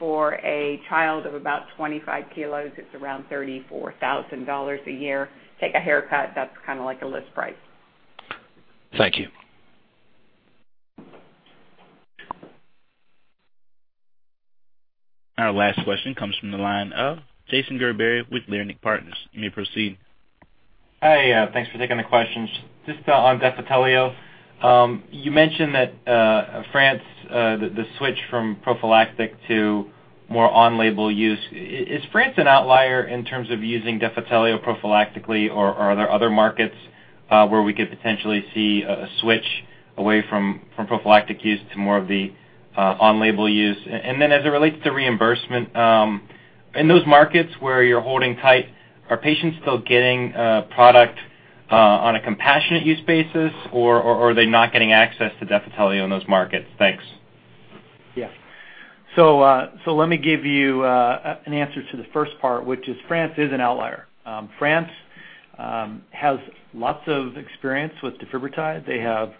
For a child of about 25 kilos, it's around $34,000 a year. Take a haircut, that's kinda like a list price. Thank you. Our last question comes from the line of Jason Gerberry with Leerink Partners. You may proceed. Hi, thanks for taking the questions. Just on Defitelio. You mentioned that France the switch from prophylactic to more on-label use. Is France an outlier in terms of using Defitelio prophylactically or are there other markets where we could potentially see a switch away from prophylactic use to more of the on-label use? And then as it relates to reimbursement, in those markets where you're holding tight, are patients still getting product on a compassionate use basis, or are they not getting access to Defitelio in those markets? Thanks. Yeah. Let me give you an answer to the first part, which is France is an outlier. France has lots of experience with defibrotide. They have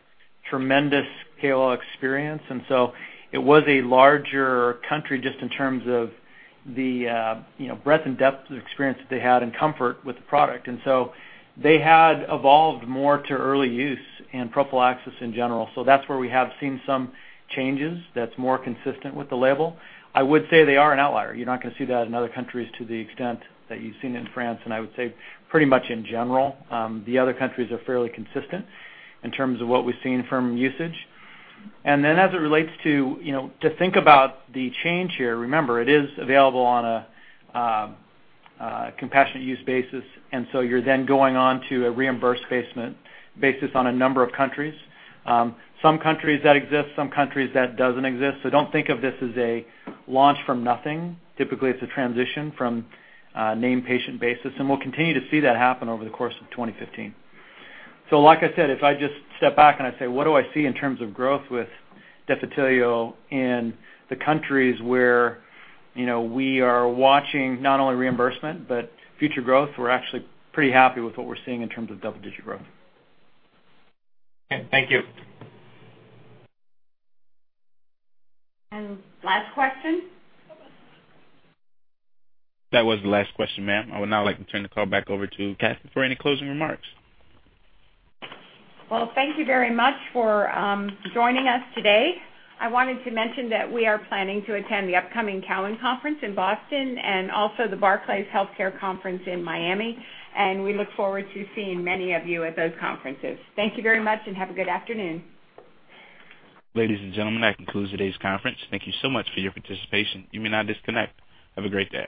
tremendous KOL experience, and so it was a larger country just in terms of the, you know, breadth and depth of experience that they had and comfort with the product. They had evolved more to early use and prophylaxis in general. That's where we have seen some changes that's more consistent with the label. I would say they are an outlier. You're not gonna see that in other countries to the extent that you've seen in France. I would say pretty much in general, the other countries are fairly consistent in terms of what we've seen from usage. As it relates to, you know, to think about the change here, remember, it is available on a compassionate use basis, and so you're then going on to a reimbursed basis on a number of countries. Some countries where it exists, some countries where it doesn't exist. Don't think of this as a launch from nothing. Typically, it's a transition from a named patient basis, and we'll continue to see that happen over the course of 2015. Like I said, if I just step back and I say, "What do I see in terms of growth with Defitelio in the countries where, you know, we are watching not only reimbursement but future growth?" We're actually pretty happy with what we're seeing in terms of double-digit growth. Okay. Thank you. Last question. That was the last question, ma'am. I would now like to turn the call back over to Kathee for any closing remarks. Well, thank you very much for joining us today. I wanted to mention that we are planning to attend the upcoming Cowen Conference in Boston and also the Barclays Healthcare Conference in Miami, and we look forward to seeing many of you at those conferences. Thank you very much and have a good afternoon. Ladies and gentlemen, that concludes today's conference. Thank you so much for your participation. You may now disconnect. Have a great day.